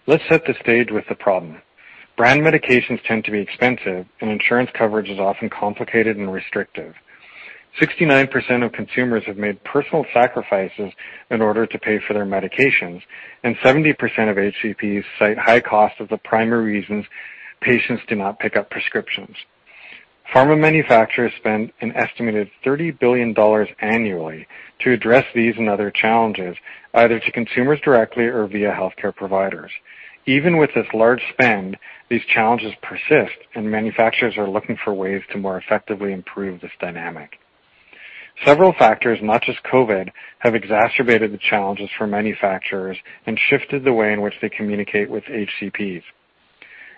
Let's set the stage with the problem. Brand medications tend to be expensive, and insurance coverage is often complicated and restrictive. 69% of consumers have made personal sacrifices in order to pay for their medications, and 70% of HCPs cite high cost as the primary reasons patients do not pick up prescriptions. Pharma manufacturers spend an estimated $30 billion annually to address these and other challenges, either to consumers directly or via healthcare providers. Even with this large spend, these challenges persist, and manufacturers are looking for ways to more effectively improve this dynamic. Several factors, not just COVID-19, have exacerbated the challenges for manufacturers and shifted the way in which they communicate with HCPs.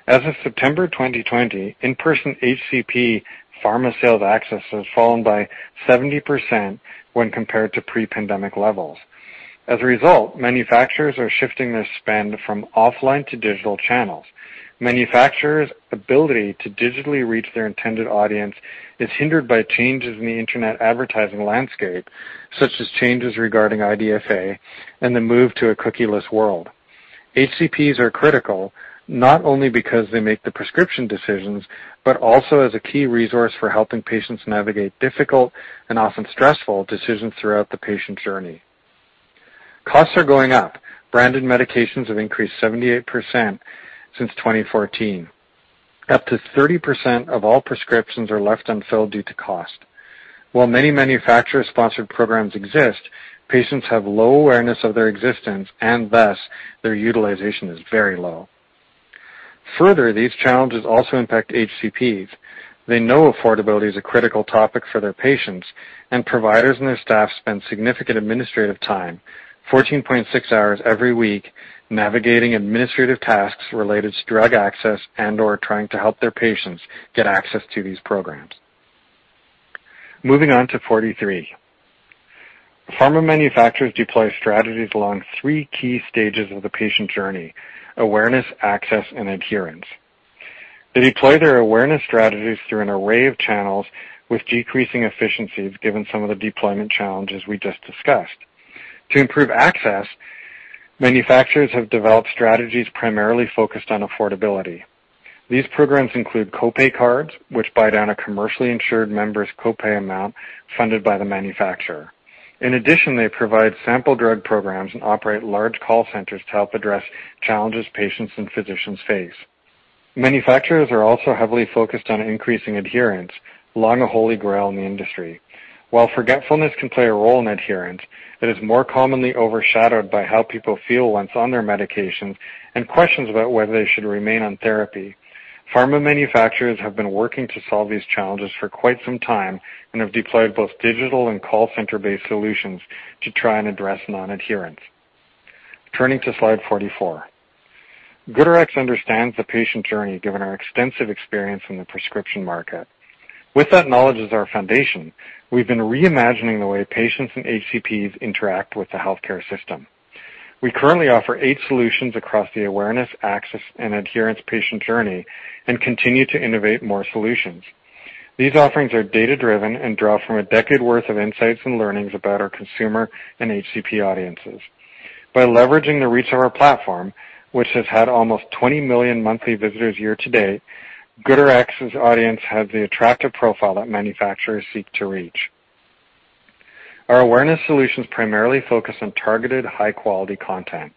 As of September 2020, in-person HCP pharma sales access has fallen by 70% when compared to pre-pandemic levels. As a result, manufacturers are shifting their spend from offline to digital channels. Manufacturers' ability to digitally reach their intended audience is hindered by changes in the internet advertising landscape, such as changes regarding IDFA and the move to a cookieless world. HCPs are critical, not only because they make the prescription decisions, but also as a key resource for helping patients navigate difficult and often stressful decisions throughout the patient journey. Costs are going up. Branded medications have increased 78% since 2014. Up to 30% of all prescriptions are left unfilled due to cost. While many manufacturer-sponsored programs exist, patients have low awareness of their existence, and thus, their utilization is very low. These challenges also impact HCPs. They know affordability is a critical topic for their patients, and providers and their staff spend significant administrative time, 14.6 hours every week, navigating administrative tasks related to drug access and/or trying to help their patients get access to these programs. Moving on to 43. Pharma manufacturers deploy strategies along 3 key stages of the patient journey, awareness, access, and adherence. They deploy their awareness strategies through an array of channels with decreasing efficiencies, given some of the deployment challenges we just discussed. To improve access, manufacturers have developed strategies primarily focused on affordability. These programs include co-pay cards, which buy down a commercially insured member's co-pay amount funded by the manufacturer. In addition, they provide sample drug programs and operate large call centers to help address challenges patients and physicians face. Manufacturers are also heavily focused on increasing adherence, long a holy grail in the industry. While forgetfulness can play a role in adherence, it is more commonly overshadowed by how people feel once on their medications and questions about whether they should remain on therapy. Pharma manufacturers have been working to solve these challenges for quite some time and have deployed both digital and call center-based solutions to try and address non-adherence. Turning to slide 44. GoodRx understands the patient journey given our extensive experience in the prescription market. With that knowledge as our foundation, we've been reimagining the way patients and HCPs interact with the healthcare system. We currently offer eight solutions across the awareness, access, and adherence patient journey and continue to innovate more solutions. These offerings are data-driven and draw from a decade worth of insights and learnings about our consumer and HCP audiences. By leveraging the reach of our platform, which has had almost 20 million monthly visitors year to date, GoodRx's audience has the attractive profile that manufacturers seek to reach. Our awareness solutions primarily focus on targeted, high-quality content.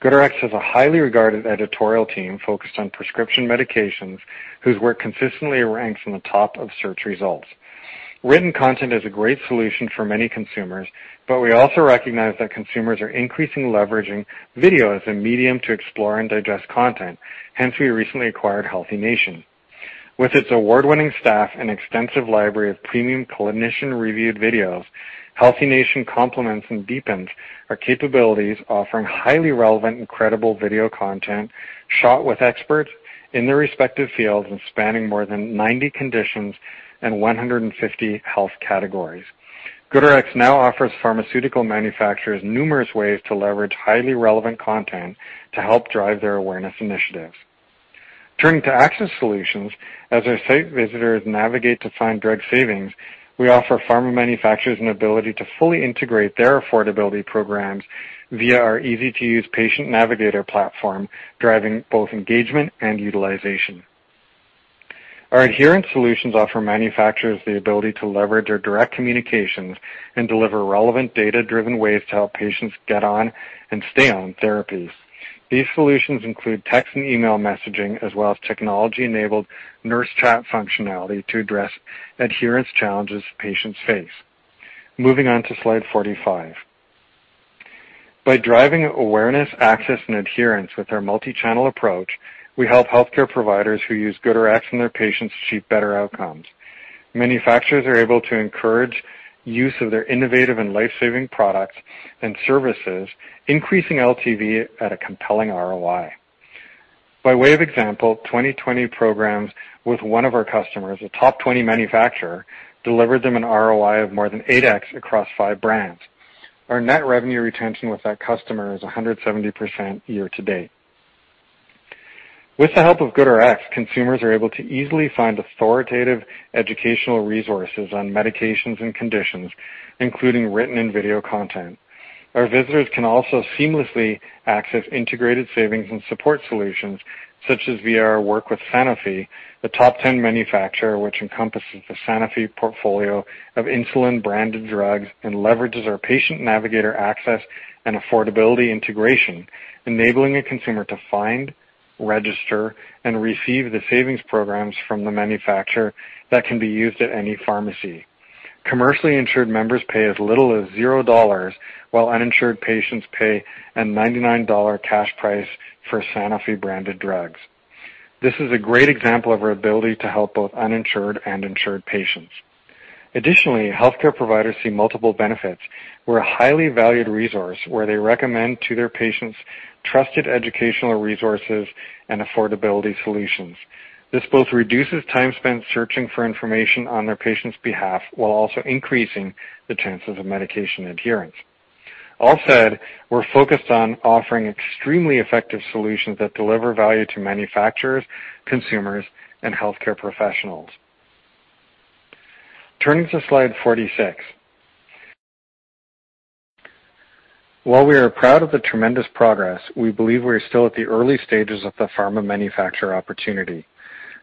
GoodRx has a highly regarded editorial team focused on prescription medications, whose work consistently ranks in the top of search results. Written content is a great solution for many consumers. We also recognize that consumers are increasingly leveraging video as a medium to explore and digest content. Hence, we recently acquired HealthiNation. With its award-winning staff and extensive library of premium clinician-reviewed videos, HealthiNation complements and deepens our capabilities, offering highly relevant and credible video content shot with experts in their respective fields and spanning more than 90 conditions and 150 health categories. GoodRx now offers pharmaceutical manufacturers numerous ways to leverage highly relevant content to help drive their awareness initiatives. Turning to access solutions, as our site visitors navigate to find drug savings, we offer pharma manufacturers an ability to fully integrate their affordability programs via our easy-to-use patient navigator platform, driving both engagement and utilization. Our adherence solutions offer manufacturers the ability to leverage their direct communications and deliver relevant data-driven ways to help patients get on and stay on therapies. These solutions include text and email messaging, as well as technology-enabled nurse chat functionality to address adherence challenges patients face. Moving on to slide 45. By driving awareness, access, and adherence with our multi-channel approach, we help healthcare providers who use GoodRx and their patients achieve better outcomes. Manufacturers are able to encourage use of their innovative and life-saving products and services, increasing LTV at a compelling ROI. By way of example, 2020 programs with one of our customers, a top 20 manufacturer, delivered them an ROI of more than 8x across five brands. Our net revenue retention with that customer is 170% year to date. With the help of GoodRx, consumers are able to easily find authoritative educational resources on medications and conditions, including written and video content. Our visitors can also seamlessly access integrated savings and support solutions, such as via our work with Sanofi, a top 10 manufacturer which encompasses the Sanofi portfolio of insulin branded drugs and leverages our patient navigator access and affordability integration, enabling a consumer to find, register, and receive the savings programs from the manufacturer that can be used at any pharmacy. Commercially insured members pay as little as $0, while uninsured patients pay a $99 cash price for Sanofi-branded drugs. This is a great example of our ability to help both uninsured and insured patients. Additionally, healthcare providers see multiple benefits. We're a highly valued resource, where they recommend to their patients trusted educational resources and affordability solutions. This both reduces time spent searching for information on their patient's behalf, while also increasing the chances of medication adherence. All said, we're focused on offering extremely effective solutions that deliver value to manufacturers, consumers, and healthcare professionals. Turning to slide 46. While we are proud of the tremendous progress, we believe we are still at the early stages of the pharma manufacturer opportunity.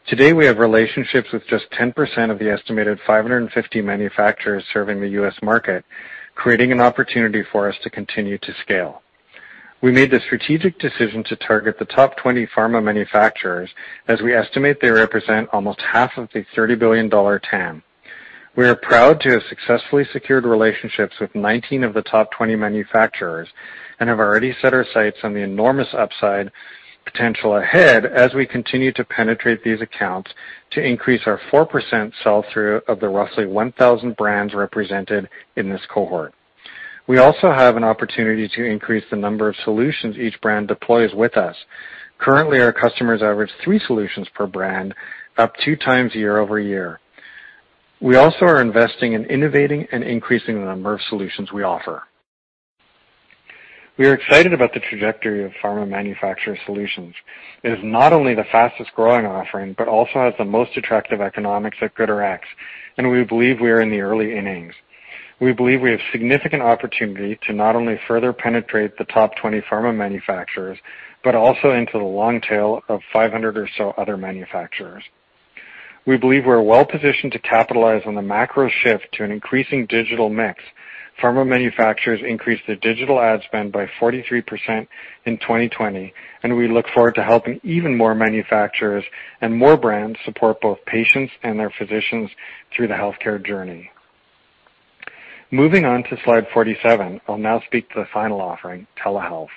Today, we have relationships with just 10% of the estimated 550 manufacturers serving the U.S. market, creating an opportunity for us to continue to scale. We made the strategic decision to target the top 20 pharma manufacturers, as we estimate they represent almost half of the $30 billion TAM. We are proud to have successfully secured relationships with 19 of the top 20 manufacturers, and have already set our sights on the enormous upside potential ahead as we continue to penetrate these accounts to increase our 4% sell-through of the roughly 1,000 brands represented in this cohort. We also have an opportunity to increase the number of solutions each brand deploys with us. Currently, our customers average three solutions per brand, up two times year-over-year. We also are investing in innovating and increasing the number of solutions we offer. We are excited about the trajectory of pharma manufacturer solutions. It is not only the fastest-growing offering, but also has the most attractive economics at GoodRx, and we believe we are in the early innings. We believe we have significant opportunity to not only further penetrate the top 20 pharma manufacturers, but also into the long tail of 500 or so other manufacturers. We believe we're well-positioned to capitalize on the macro shift to an increasing digital mix. Pharma manufacturers increased their digital ad spend by 43% in 2020. We look forward to helping even more manufacturers and more brands support both patients and their physicians through the healthcare journey. Moving on to slide 47, I'll now speak to the final offering, telehealth.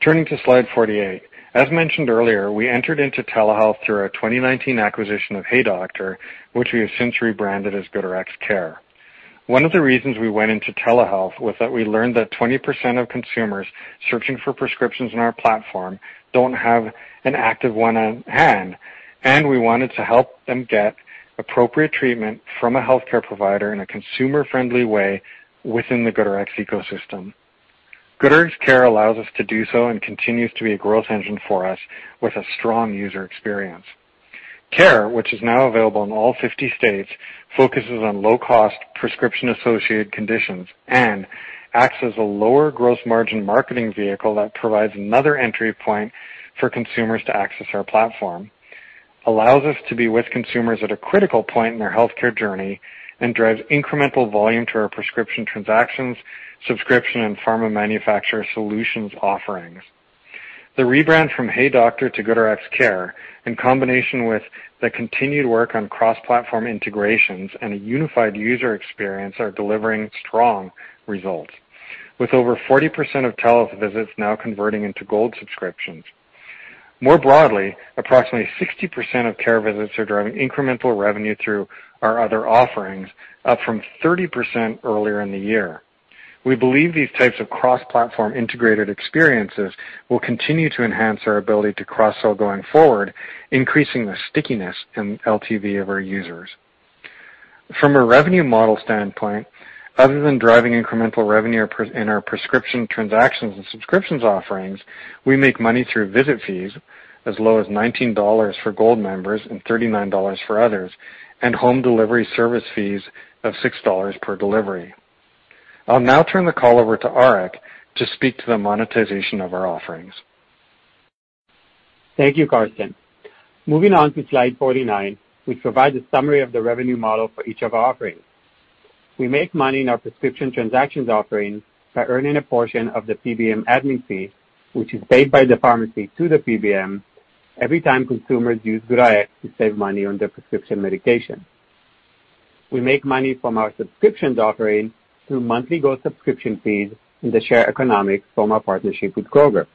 Turning to slide 48. As mentioned earlier, we entered into telehealth through our 2019 acquisition of HeyDoctor, which we have since rebranded as GoodRx Care. One of the reasons we went into telehealth was that we learned that 20% of consumers searching for prescriptions on our platform don't have an active one on hand, and we wanted to help them get appropriate treatment from a healthcare provider in a consumer-friendly way within the GoodRx ecosystem. GoodRx Care allows us to do so and continues to be a growth engine for us with a strong user experience. Care, which is now available in all 50 states, focuses on low-cost prescription-associated conditions and acts as a lower gross margin marketing vehicle that provides another entry point for consumers to access our platform, allows us to be with consumers at a critical point in their healthcare journey, and drives incremental volume to our prescription transactions, subscription, and pharma manufacturer solutions offerings. The rebrand from HeyDoctor to GoodRx Care, in combination with the continued work on cross-platform integrations and a unified user experience, are delivering strong results, with over 40% of telehealth visits now converting into Gold subscriptions. More broadly, approximately 60% of care visits are driving incremental revenue through our other offerings, up from 30% earlier in the year. We believe these types of cross-platform integrated experiences will continue to enhance our ability to cross-sell going forward, increasing the stickiness and LTV of our users. From a revenue model standpoint, other than driving incremental revenue in our prescription transactions and subscriptions offerings, we make money through visit fees as low as $19 for Gold members and $39 for others, and home delivery service fees of $6 per delivery. I'll now turn the call over to Arik to speak to the monetization of our offerings. Thank you, Karsten. Moving on to slide 49, we provide a summary of the revenue model for each of our offerings. We make money in our prescription transactions offerings by earning a portion of the PBM admin fee, which is paid by the pharmacy to the PBM every time consumers use GoodRx to save money on their prescription medication. We make money from our subscriptions offering through monthly Gold subscription fees and the share economics from our partnership with Kroger.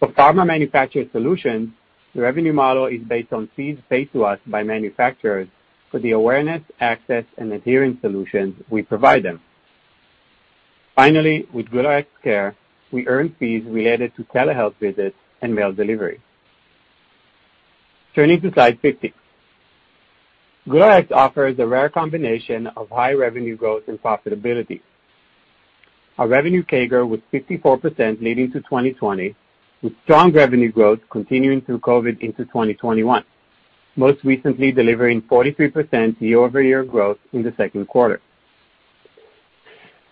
For pharma manufacturer solutions, the revenue model is based on fees paid to us by manufacturers for the awareness, access, and adherence solutions we provide them. Finally, with GoodRx Care, we earn fees related to telehealth visits and mail delivery. Turning to slide 50. GoodRx offers a rare combination of high revenue growth and profitability. Our revenue CAGR was 54% leading to 2020, with strong revenue growth continuing through COVID into 2021, most recently delivering 43% year-over-year growth in the second quarter.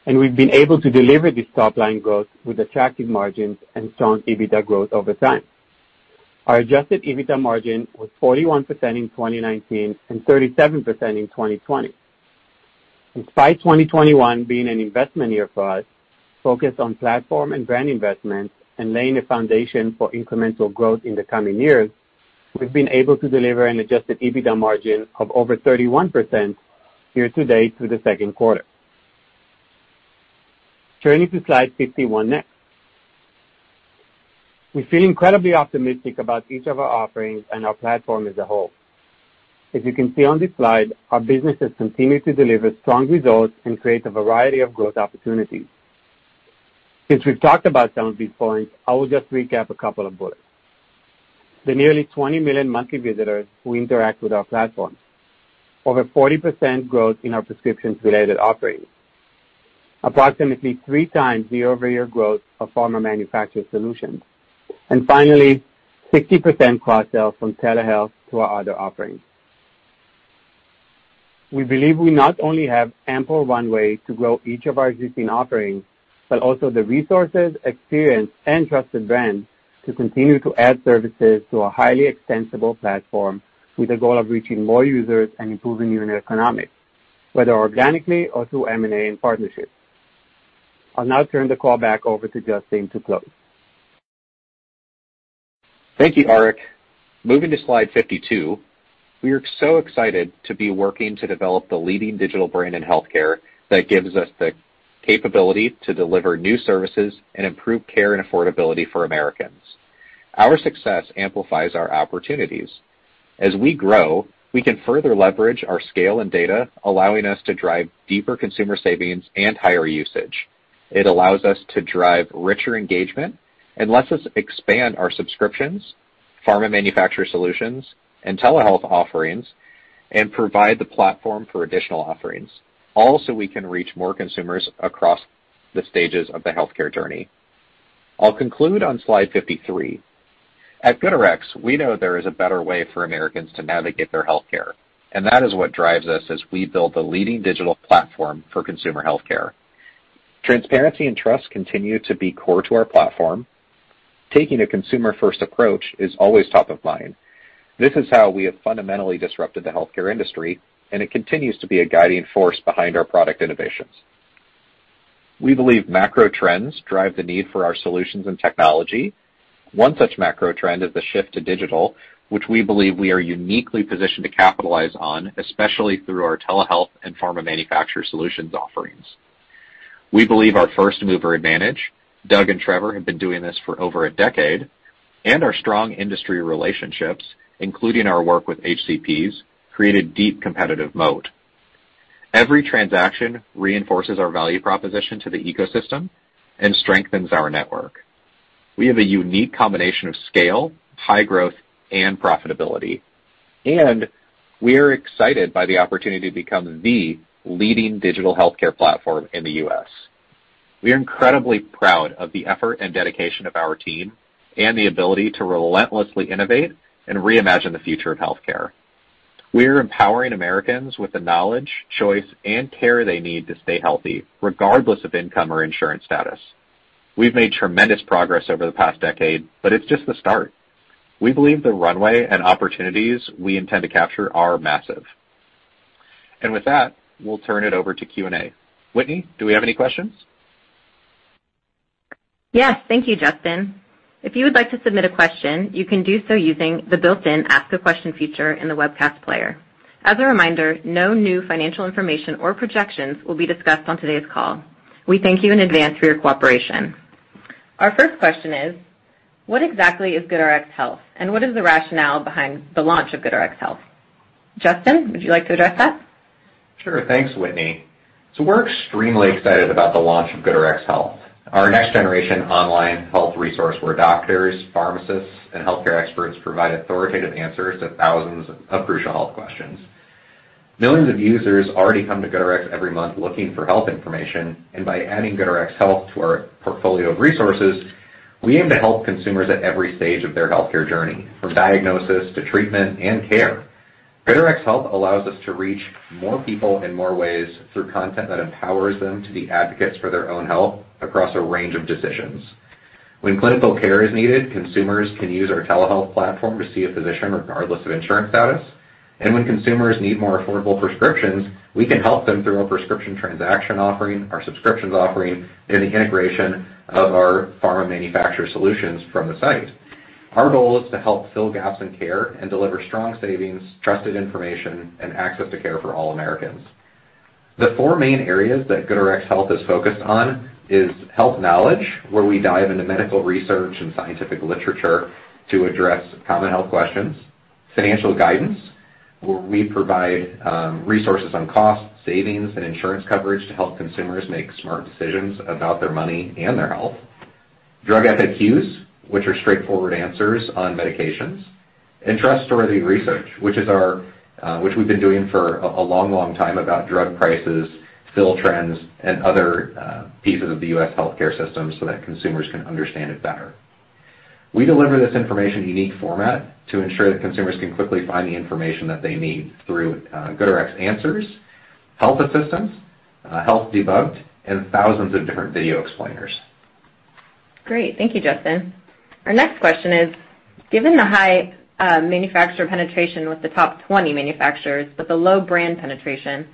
We've been able to deliver this top-line growth with attractive margins and strong EBITDA growth over time. Our adjusted EBITDA margin was 41% in 2019 and 37% in 2020. Despite 2021 being an investment year for us, focused on platform and brand investments and laying a foundation for incremental growth in the coming years, we've been able to deliver an adjusted EBITDA margin of over 31% year to date through the second quarter. Turning to slide 51 next. We feel incredibly optimistic about each of our offerings and our platform as a whole. As you can see on this slide, our businesses continue to deliver strong results and create a variety of growth opportunities. Since we've talked about some of these points, I will just recap a couple of bullets. The nearly 20 million monthly visitors who interact with our platform. Over 40% growth in our prescriptions-related offerings. Approximately three times year-over-year growth of pharma manufacturer solutions. Finally, 60% cross-sell from telehealth to our other offerings. We believe we not only have ample runway to grow each of our existing offerings, but also the resources, experience, and trusted brand to continue to add services to a highly extensible platform with a goal of reaching more users and improving unit economics, whether organically or through M&A and partnerships. I'll now turn the call back over to Justin to close. Thank you, Arik. Moving to slide 52, we are so excited to be working to develop the leading digital brand in healthcare that gives us the capability to deliver new services and improve care and affordability for Americans. Our success amplifies our opportunities. As we grow, we can further leverage our scale and data, allowing us to drive deeper consumer savings and higher usage. It allows us to drive richer engagement and lets us expand our subscriptions, pharma manufacturer solutions, and telehealth offerings and provide the platform for additional offerings. Also, we can reach more consumers across the stages of the healthcare journey. I'll conclude on slide 53. At GoodRx, we know there is a better way for Americans to navigate their healthcare, and that is what drives us as we build the leading digital platform for consumer healthcare. Transparency and trust continue to be core to our platform. Taking a consumer-first approach is always top of mind. This is how we have fundamentally disrupted the healthcare industry, and it continues to be a guiding force behind our product innovations. We believe macro trends drive the need for our solutions and technology. One such macro trend is the shift to digital, which we believe we are uniquely positioned to capitalize on, especially through our telehealth and pharma manufacturer solutions offerings. We believe our first-mover advantage, Doug and Trevor have been doing this for over a decade, and our strong industry relationships, including our work with HCPs, create a deep competitive moat. Every transaction reinforces our value proposition to the ecosystem and strengthens our network. We have a unique combination of scale, high growth, and profitability. We are excited by the opportunity to become the leading digital healthcare platform in the U.S. We are incredibly proud of the effort and dedication of our team and the ability to relentlessly innovate and reimagine the future of healthcare. We are empowering Americans with the knowledge, choice, and care they need to stay healthy, regardless of income or insurance status. We've made tremendous progress over the past decade, it's just the start. We believe the runway and opportunities we intend to capture are massive. With that, we'll turn it over to Q&A. Whitney, do we have any questions? Yes. Thank you, Justin. If you would like to submit a question, you can do so using the built-in Ask a Question feature in the webcast player. As a reminder, no new financial information or projections will be discussed on today's call. We thank you in advance for your cooperation. Our first question is: What exactly is GoodRx Health, and what is the rationale behind the launch of GoodRx Health? Justin, would you like to address that? Sure. Thanks, Whitney. We're extremely excited about the launch of GoodRx Health, our next-generation online health resource where doctors, pharmacists, and healthcare experts provide authoritative answers to thousands of crucial health questions. Millions of users already come to GoodRx every month looking for health information, and by adding GoodRx Health to our portfolio of resources, we aim to help consumers at every stage of their healthcare journey, from diagnosis to treatment and care. GoodRx Health allows us to reach more people in more ways through content that empowers them to be advocates for their own health across a range of decisions. When clinical care is needed, consumers can use our telehealth platform to see a physician regardless of insurance status. When consumers need more affordable prescriptions, we can help them through our prescription transaction offering, our subscriptions offering, and the integration of our pharma manufacturer solutions from the site. Our goal is to help fill gaps in care and deliver strong savings, trusted information, and access to care for all Americans. The four main areas that GoodRx Health is focused on is health knowledge, where we dive into medical research and scientific literature to address common health questions, financial guidance, where we provide resources on cost, savings, and insurance coverage to help consumers make smart decisions about their money and their health, drug FAQs, which are straightforward answers on medications, and trustworthy research, which we've been doing for a long time about drug prices, fill trends, and other pieces of the U.S. healthcare system so that consumers can understand it better. We deliver this information in a unique format to ensure that consumers can quickly find the information that they need through GoodRx Health, health assistance, Health Debunked, and thousands of different video explainers. Great. Thank you, Justin. Our next question is: Given the high manufacturer penetration with the top 20 manufacturers but the low brand penetration,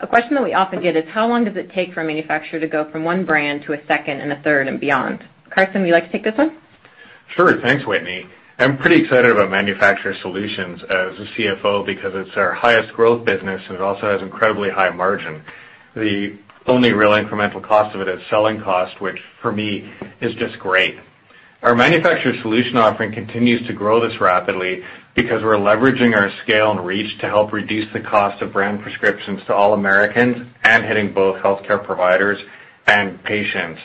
a question that we often get is, how long does it take for a manufacturer to go from one brand to a second and a third and beyond? Karsten, would you like to take this one? Sure. Thanks, Whitney. I'm pretty excited about manufacturer solutions as a CFO because it's our highest growth business, and it also has incredibly high margin. The only real incremental cost of it is selling cost, which for me is just great. Our manufacturer solution offering continues to grow this rapidly because we're leveraging our scale and reach to help reduce the cost of brand prescriptions to all Americans and hitting both healthcare providers and patients.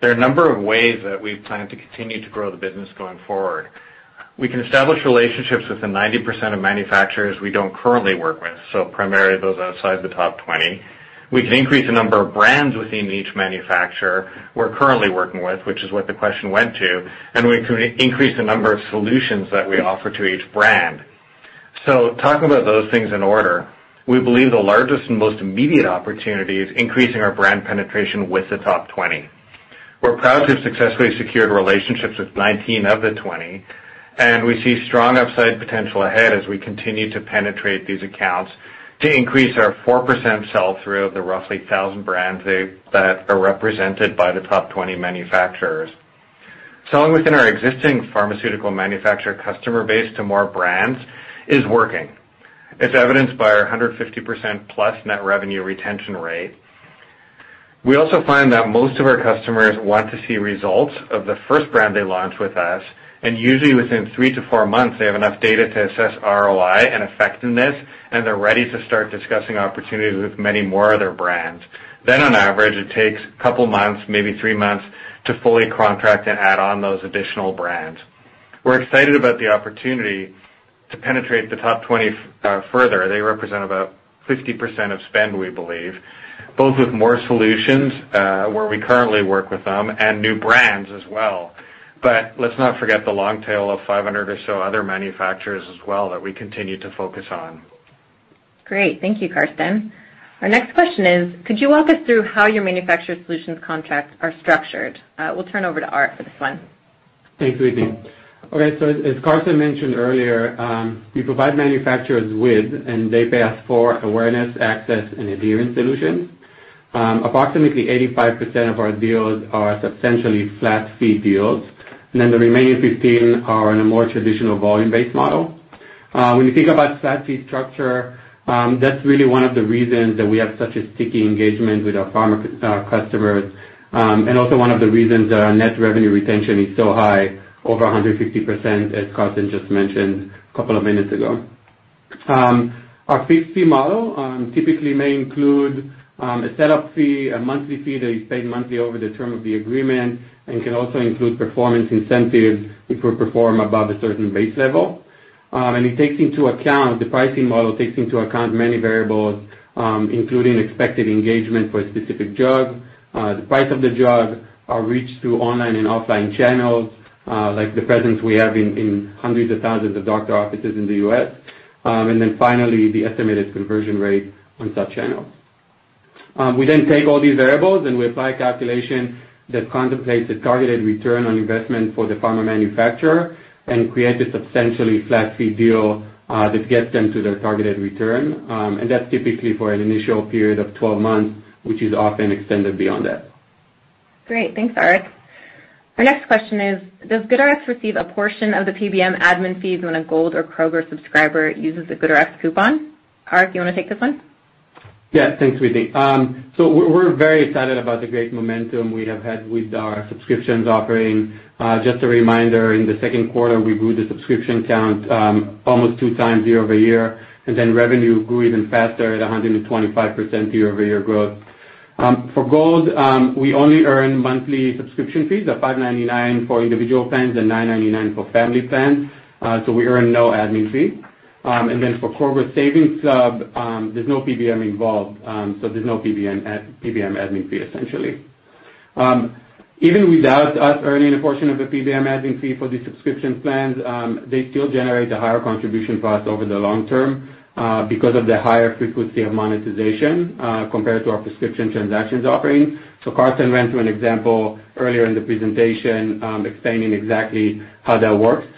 There are a number of ways that we plan to continue to grow the business going forward. We can establish relationships with the 90% of manufacturers we don't currently work with, so primarily those outside the top 20. We can increase the number of brands within each manufacturer we're currently working with, which is what the question went to, and we can increase the number of solutions that we offer to each brand. Talking about those things in order, we believe the largest and most immediate opportunity is increasing our brand penetration with the top 20. We're proud to have successfully secured relationships with 19 of the 20, and we see strong upside potential ahead as we continue to penetrate these accounts to increase our 4% sell-through of the roughly 1,000 brands that are represented by the top 20 manufacturers. Selling within our existing pharmaceutical manufacturer customer base to more brands is working. It's evidenced by our 150%-plus net revenue retention rate. We also find that most of our customers want to see results of the first brand they launch with us, and usually within three-four months, they have enough data to assess ROI and effectiveness, and they're ready to start discussing opportunities with many more of their brands. On average, it takes a couple of months, maybe three months, to fully contract and add on those additional brands. We're excited about the opportunity to penetrate the top 20 further. They represent about 50% of spend, we believe, both with more solutions where we currently work with them and new brands as well. Let's not forget the long tail of 500 or so other manufacturers as well that we continue to focus on. Great. Thank you, Karsten. Our next question is: Could you walk us through how your manufacturer solutions contracts are structured? We will turn over to Arik for this one. Thanks, Whitney. As Karsten mentioned earlier, we provide manufacturers with, and they pay us for, awareness, access, and adherence solutions. Approximately 85% of our deals are substantially flat-fee deals. The remaining 15% are in a more traditional volume-based model. When you think about flat-fee structure, that's really one of the reasons that we have such a sticky engagement with our pharma customers and also one of the reasons our net revenue retention is so high, over 150%, as Karsten just mentioned a couple of minutes ago. Our flat-fee model typically may include a set-up fee, a monthly fee that is paid monthly over the term of the agreement, and can also include performance incentives if we perform above a certain base level. The pricing model takes into account many variables, including expected engagement for a specific drug, the price of the drug, our reach through online and offline channels, like the presence we have in hundreds of thousands of doctor offices in the U.S., and then finally, the estimated conversion rate on such channels. We then take all these variables and we apply a calculation that contemplates the targeted ROI for the pharma manufacturer and create a substantially flat-fee deal that gets them to their targeted return, and that's typically for an initial period of 12 months, which is often extended beyond that. Great. Thanks, Arik. Our next question is: Does GoodRx receive a portion of the PBM admin fees when a Gold or Kroger subscriber uses a GoodRx coupon? Arik, do you want to take this one? Thanks, Whitney. We're very excited about the great momentum we have had with our subscriptions offering. Just a reminder, in the second quarter, we grew the subscription count almost 2x year-over-year. Revenue grew even faster at 125% year-over-year growth. For Gold, we only earn monthly subscription fees at $5.99 for individual plans and $9.99 for family plans. We earn no admin fee. For Corporate Savings, there's no PBM involved. There's no PBM admin fee, essentially. Even without us earning a portion of the PBM admin fee for the subscription plans, they still generate a higher contribution for us over the long term because of the higher frequency of monetization compared to our prescription transactions offering. Karsten ran through an example earlier in the presentation, explaining exactly how that works.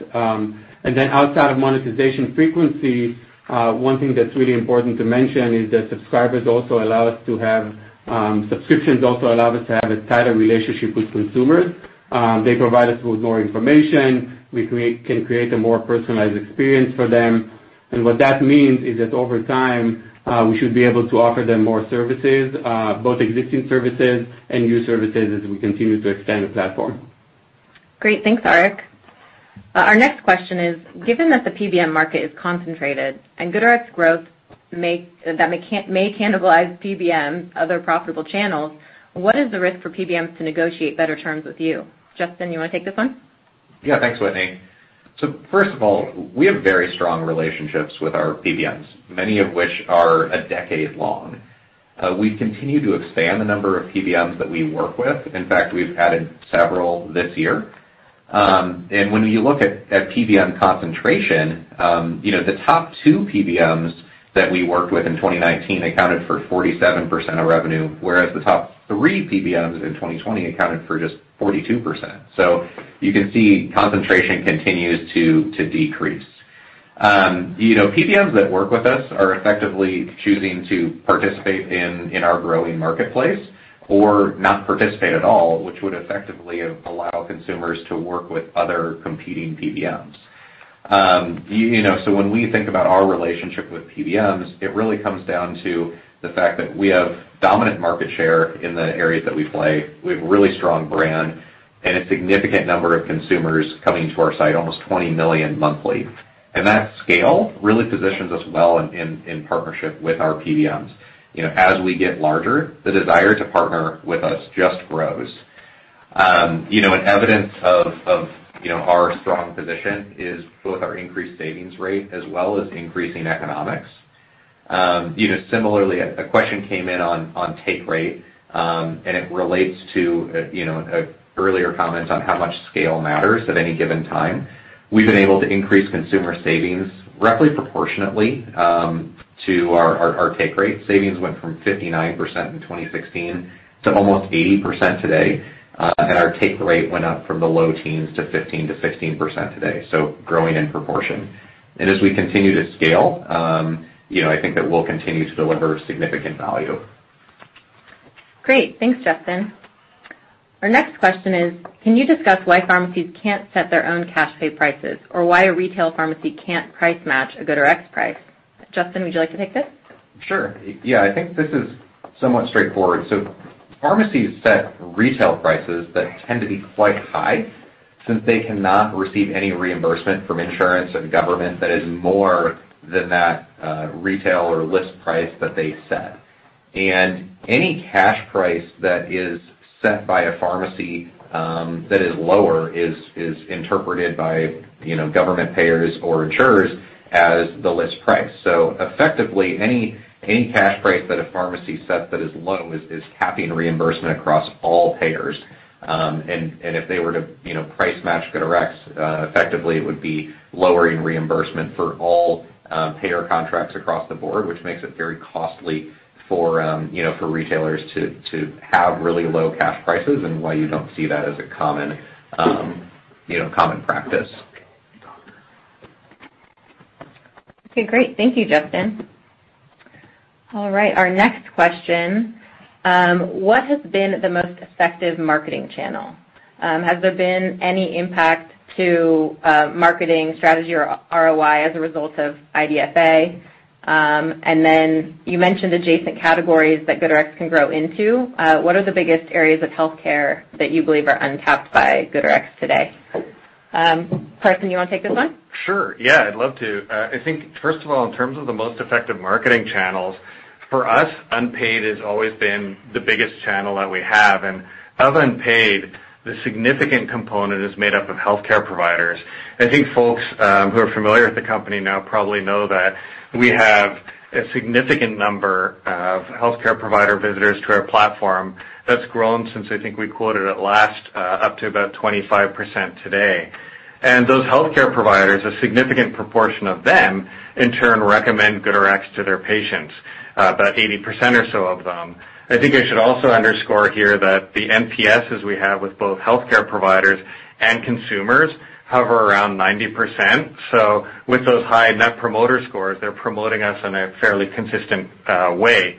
Outside of monetization frequency, one thing that's really important to mention is that subscriptions also allow us to have a tighter relationship with consumers. They provide us with more information. We can create a more personalized experience for them. What that means is that over time, we should be able to offer them more services, both existing services and new services, as we continue to expand the platform. Great. Thanks, Arik. Our next question is, "Given that the PBM market is concentrated and GoodRx growth may cannibalize PBM other profitable channels, what is the risk for PBMs to negotiate better terms with you?" Justin, you want to take this one? Thanks, Whitney. First of all, we have very strong relationships with our PBMs, many of which are a decade long. We continue to expand the number of PBMs that we work with. In fact, we've added several this year. When you look at PBM concentration, the top two PBMs that we worked with in 2019 accounted for 47% of revenue, whereas the top three PBMs in 2020 accounted for just 42%. You can see concentration continues to decrease. PBMs that work with us are effectively choosing to participate in our growing marketplace or not participate at all, which would effectively allow consumers to work with other competing PBMs. When we think about our relationship with PBMs, it really comes down to the fact that we have dominant market share in the areas that we play, we have a really strong brand, and a significant number of consumers coming to our site, almost 20 million monthly. That scale really positions us well in partnership with our PBMs. As we get larger, the desire to partner with us just grows. Evidence of our strong position is both our increased savings rate as well as increasing economics. Similarly, a question came in on take rate, and it relates to an earlier comment on how much scale matters at any given time. We've been able to increase consumer savings roughly proportionately to our take rate. Savings went from 59% in 2016 to almost 80% today, and our take rate went up from the low teens to 15%-16% today, so growing in proportion. As we continue to scale, I think that we'll continue to deliver significant value. Great. Thanks, Justin. Our next question is, "Can you discuss why pharmacies can't set their own cash pay prices or why a retail pharmacy can't price match a GoodRx price?" Justin, would you like to take this? Sure. Yeah. I think this is somewhat straightforward. Pharmacies set retail prices that tend to be quite high since they cannot receive any reimbursement from insurance and government that is more than that retail or list price that they set. Any cash price that is set by a pharmacy that is lower is interpreted by government payers or insurers as the list price. Effectively, any cash price that a pharmacy sets that is low is capping reimbursement across all payers. If they were to price match GoodRx, effectively, it would be lowering reimbursement for all payer contracts across the board, which makes it very costly for retailers to have really low cash prices and why you don't see that as a common practice. Okay, great. Thank you, Justin. All right, our next question, "What has been the most effective marketing channel? Has there been any impact to marketing strategy or ROI as a result of IDFA?" "You mentioned adjacent categories that GoodRx can grow into. What are the biggest areas of healthcare that you believe are untapped by GoodRx today?" Karsten, you want to take this one? Sure. Yeah, I'd love to. I think, first of all, in terms of the most effective marketing channels, for us, unpaid has always been the biggest channel that we have. Of unpaid, the significant component is made up of healthcare providers. I think folks who are familiar with the company now probably know that we have a significant number of healthcare provider visitors to our platform that's grown since, I think we quoted it last, up to about 25% today. Those healthcare providers, a significant proportion of them, in turn, recommend GoodRx to their patients, about 80% or so of them. I think I should also underscore here that the NPSs we have with both healthcare providers and consumers hover around 90%. With those high net promoter scores, they're promoting us in a fairly consistent way.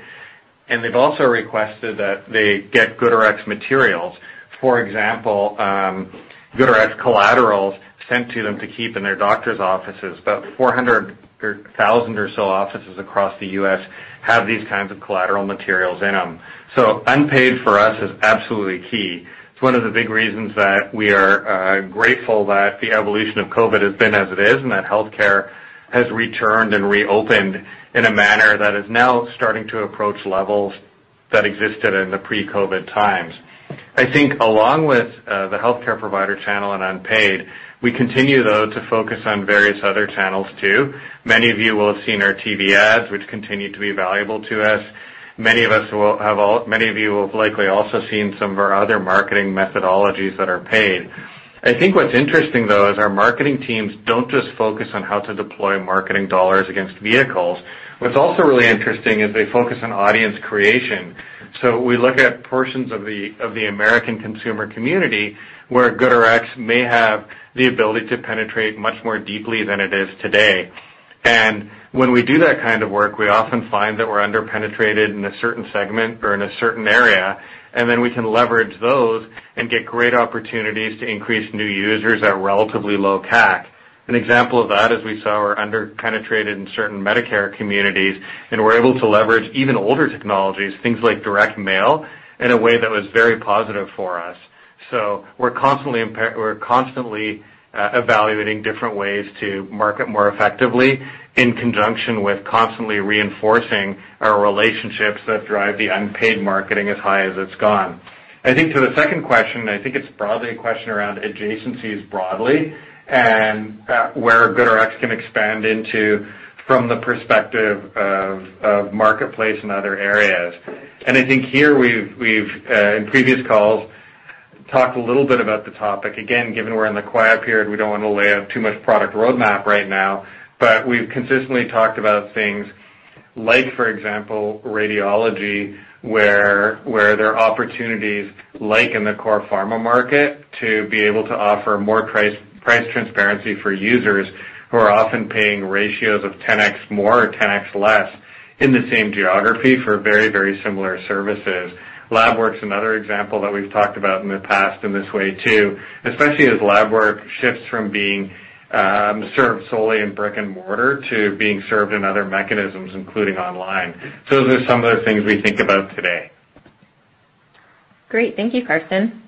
They've also requested that they get GoodRx materials. For example, GoodRx collaterals sent to them to keep in their doctor's offices. About 400,000 or so offices across the U.S. have these kinds of collateral materials in them. Unpaid for us is absolutely key. It's one of the big reasons that we are grateful that the evolution of COVID has been as it is, and that healthcare has returned and reopened in a manner that is now starting to approach levels that existed in the pre-COVID times. I think along with the healthcare provider channel and unpaid, we continue, though, to focus on various other channels too. Many of you will have seen our TV ads, which continue to be valuable to us. Many of you will have likely also seen some of our other marketing methodologies that are paid. I think what's interesting, though, is our marketing teams don't just focus on how to deploy marketing dollars against vehicles. What's also really interesting is they focus on audience creation. We look at portions of the American consumer community where GoodRx may have the ability to penetrate much more deeply than it is today. When we do that kind of work, we often find that we're under-penetrated in a certain segment or in a certain area, we can leverage those and get great opportunities to increase new users at a relatively low CAC. An example of that is we saw we're under-penetrated in certain Medicare communities, and we're able to leverage even older technologies, things like direct mail, in a way that was very positive for us. We're constantly evaluating different ways to market more effectively in conjunction with constantly reinforcing our relationships that drive the unpaid marketing as high as it's gone. I think to the second question, I think it's broadly a question around adjacencies broadly, and where GoodRx can expand into from the perspective of marketplace and other areas. I think here we've, in previous calls, talked a little bit about the topic. Again, given we're in the quiet period, we don't want to lay out too much product roadmap right now, but we've consistently talked about things like, for example, radiology, where there are opportunities like in the core pharma market to be able to offer more price transparency for users who are often paying ratios of 10x more or 10x less in the same geography for very similar services. Lab work's another example that we've talked about in the past in this way, too, especially as lab work shifts from being served solely in brick and mortar to being served in other mechanisms, including online. Those are some of the things we think about today. Great. Thank you, Karsten.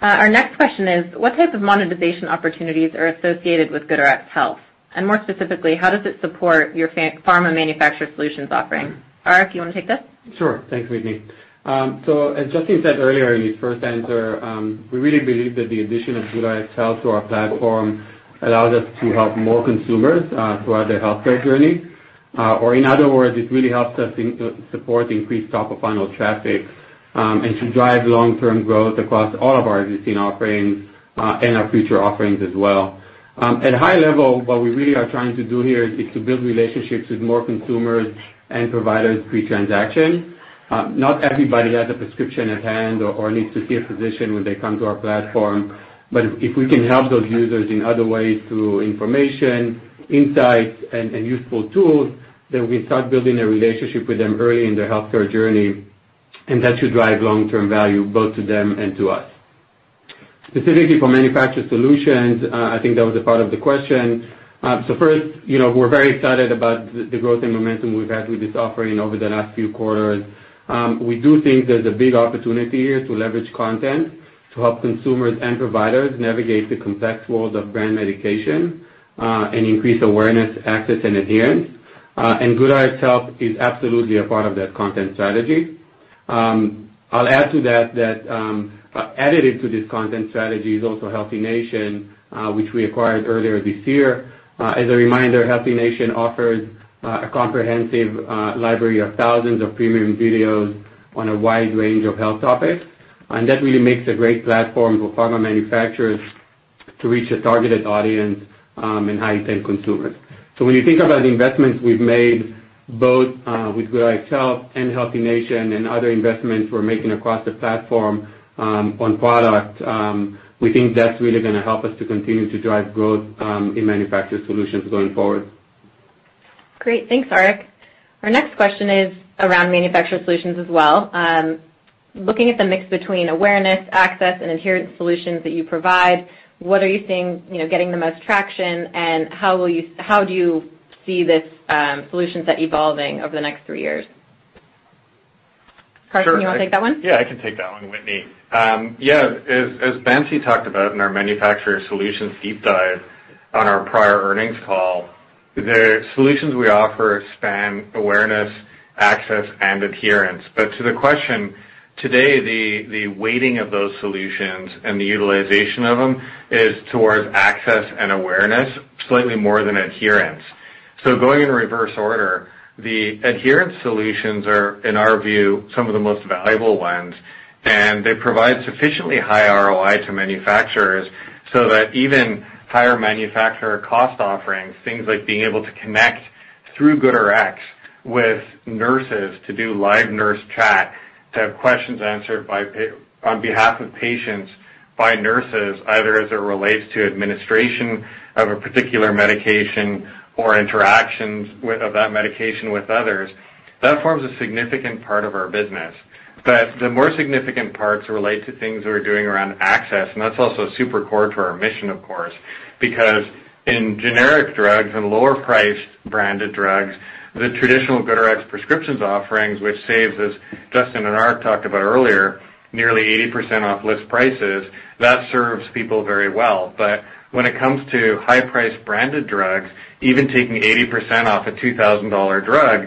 Our next question is: what type of monetization opportunities are associated with GoodRx Health? More specifically, how does it support your pharma manufacturer solutions offering? Arik, you want to take this? Sure. Thanks, Whitney. As Justin said earlier in his first answer, we really believe that the addition of GoodRx Health to our platform allows us to help more consumers, throughout their healthcare journey. In other words, it really helps us support increased top-of-funnel traffic, and to drive long-term growth across all of our existing offerings, and our future offerings as well. At a high level, what we really are trying to do here is to build relationships with more consumers and providers pre-transaction. Not everybody has a prescription at hand or needs to see a physician when they come to our platform. If we can help those users in other ways through information, insights, and useful tools, we can start building a relationship with them early in their healthcare journey, and that should drive long-term value both to them and to us. Specifically for manufacturer solutions, I think that was a part of the question. First, we're very excited about the growth and momentum we've had with this offering over the last few quarters. We do think there's a big opportunity here to leverage content to help consumers and providers navigate the complex world of brand medication, and increase awareness, access, and adherence. GoodRx Health is absolutely a part of that content strategy. I'll add to that added to this content strategy is also HealthiNation, which we acquired earlier this year. As a reminder, HealthiNation offers a comprehensive library of thousands of premium videos on a wide range of health topics. That really makes a great platform for pharma manufacturers to reach a targeted audience, and high intent consumers. When you think about the investments we've made, both with GoodRx Health and HealthiNation and other investments we're making across the platform, on product, we think that's really going to help us to continue to drive growth, in manufacturer solutions going forward. Great. Thanks, Arik. Our next question is around manufacturer solutions as well. Looking at the mix between awareness, access, and adherence solutions that you provide, what are you seeing getting the most traction, and how do you see this solution set evolving over the next three years? Karsten, you want to take that one? Yeah, I can take that one, Whitney. Yeah. As Bansi talked about in our manufacturer solutions deep dive on our prior earnings call, the solutions we offer span awareness, access, and adherence. To the question, today, the weighting of those solutions and the utilization of them is towards access and awareness slightly more than adherence. Going in reverse order, the adherence solutions are, in our view, some of the most valuable ones, and they provide sufficiently high ROI to manufacturers so that even higher manufacturer cost offerings, things like being able to connect through GoodRx with nurses to do live nurse chat, to have questions answered on behalf of patients by nurses, either as it relates to administration of a particular medication or interactions of that medication with others. That forms a significant part of our business, but the more significant parts relate to things that we're doing around access, and that's also super core to our mission, of course. In generic drugs and lower priced branded drugs, the traditional GoodRx prescriptions offerings, which saves us, Justin and Arik talked about earlier, nearly 80% off list prices, that serves people very well. When it comes to high-priced branded drugs, even taking 80% off a $2,000 drug,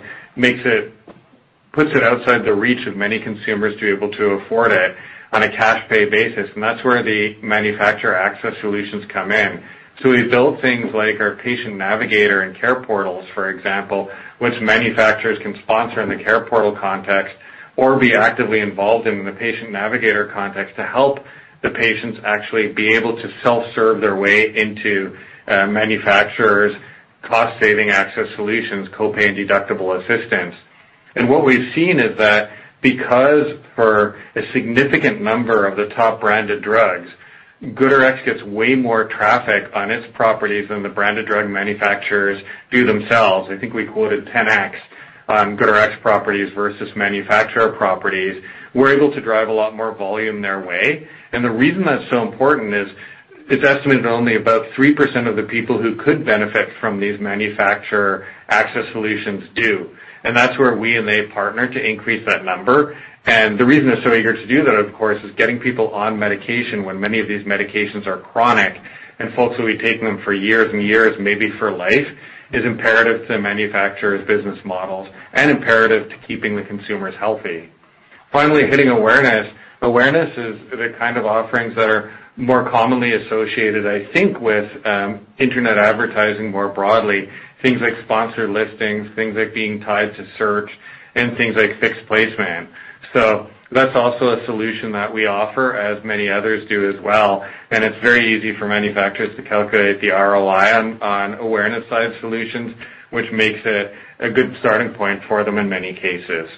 puts it outside the reach of many consumers to be able to afford it on a cash-pay basis, that's where the manufacturer access solutions come in. We build things like our patient navigator and care portals, for example, which manufacturers can sponsor in the care portal context or be actively involved in the patient navigator context to help the patients actually be able to self-serve their way into a manufacturer's cost-saving access solutions, co-pay and deductible assistance. What we've seen is that because for a significant number of the top branded drugs, GoodRx gets way more traffic on its properties than the branded drug manufacturers do themselves. I think we quoted 10x on GoodRx properties versus manufacturer properties. We're able to drive a lot more volume their way. The reason that's so important is it's estimated only about 3% of the people who could benefit from these manufacturer access solutions do. That's where we and they partner to increase that number. The reason they're so eager to do that, of course, is getting people on medication when many of these medications are chronic, and folks will be taking them for years and years, maybe for life, is imperative to manufacturers' business models and imperative to keeping the consumers healthy. Finally, hitting awareness. Awareness is the kind of offerings that are more commonly associated, I think, with internet advertising more broadly. Things like sponsored listings, things like being tied to search, and things like fixed placement. That's also a solution that we offer, as many others do as well. It's very easy for manufacturers to calculate the ROI on awareness-side solutions, which makes it a good starting point for them in many cases.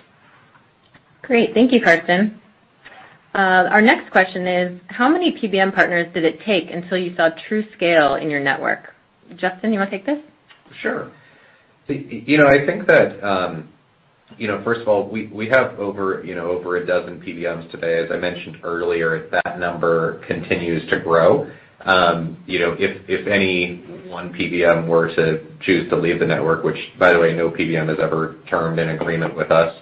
Great. Thank you, Karsten. Our next question is, how many PBM partners did it take until you saw true scale in your network? Justin, you want to take this? Sure. I think that, first of all, we have over a dozen PBMs today, as I mentioned earlier. That number continues to grow. If any one PBM were to choose to leave the network, which, by the way, no PBM has ever termed an agreement with us,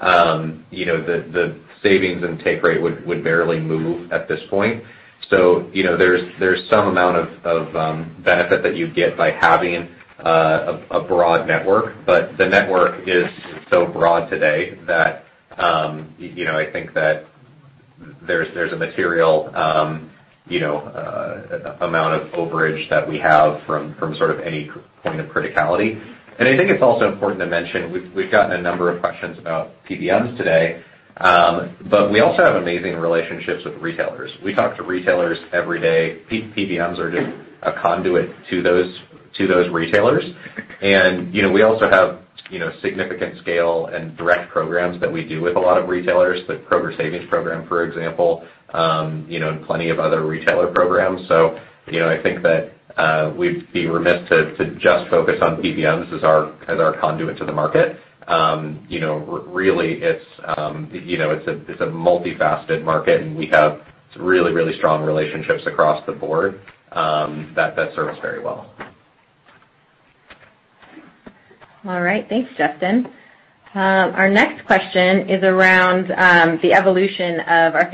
the savings and take rate would barely move at this point. There's some amount of benefit that you get by having a broad network, but the network is so broad today that I think that there's a material amount of overage that we have from sort of any point of criticality. I think it's also important to mention, we've gotten a number of questions about PBMs today, but we also have amazing relationships with retailers. We talk to retailers every day. PBMs are just a conduit to those retailers. We also have significant scale and direct programs that we do with a lot of retailers, the Kroger Rx Savings Club, for example, and plenty of other retailer programs. I think that we'd be remiss to just focus on PBMs as our conduit to the market. Really, it's a multifaceted market, and we have really, really strong relationships across the board that serve us very well. All right. Thanks, Justin. Our next question is around the evolution of our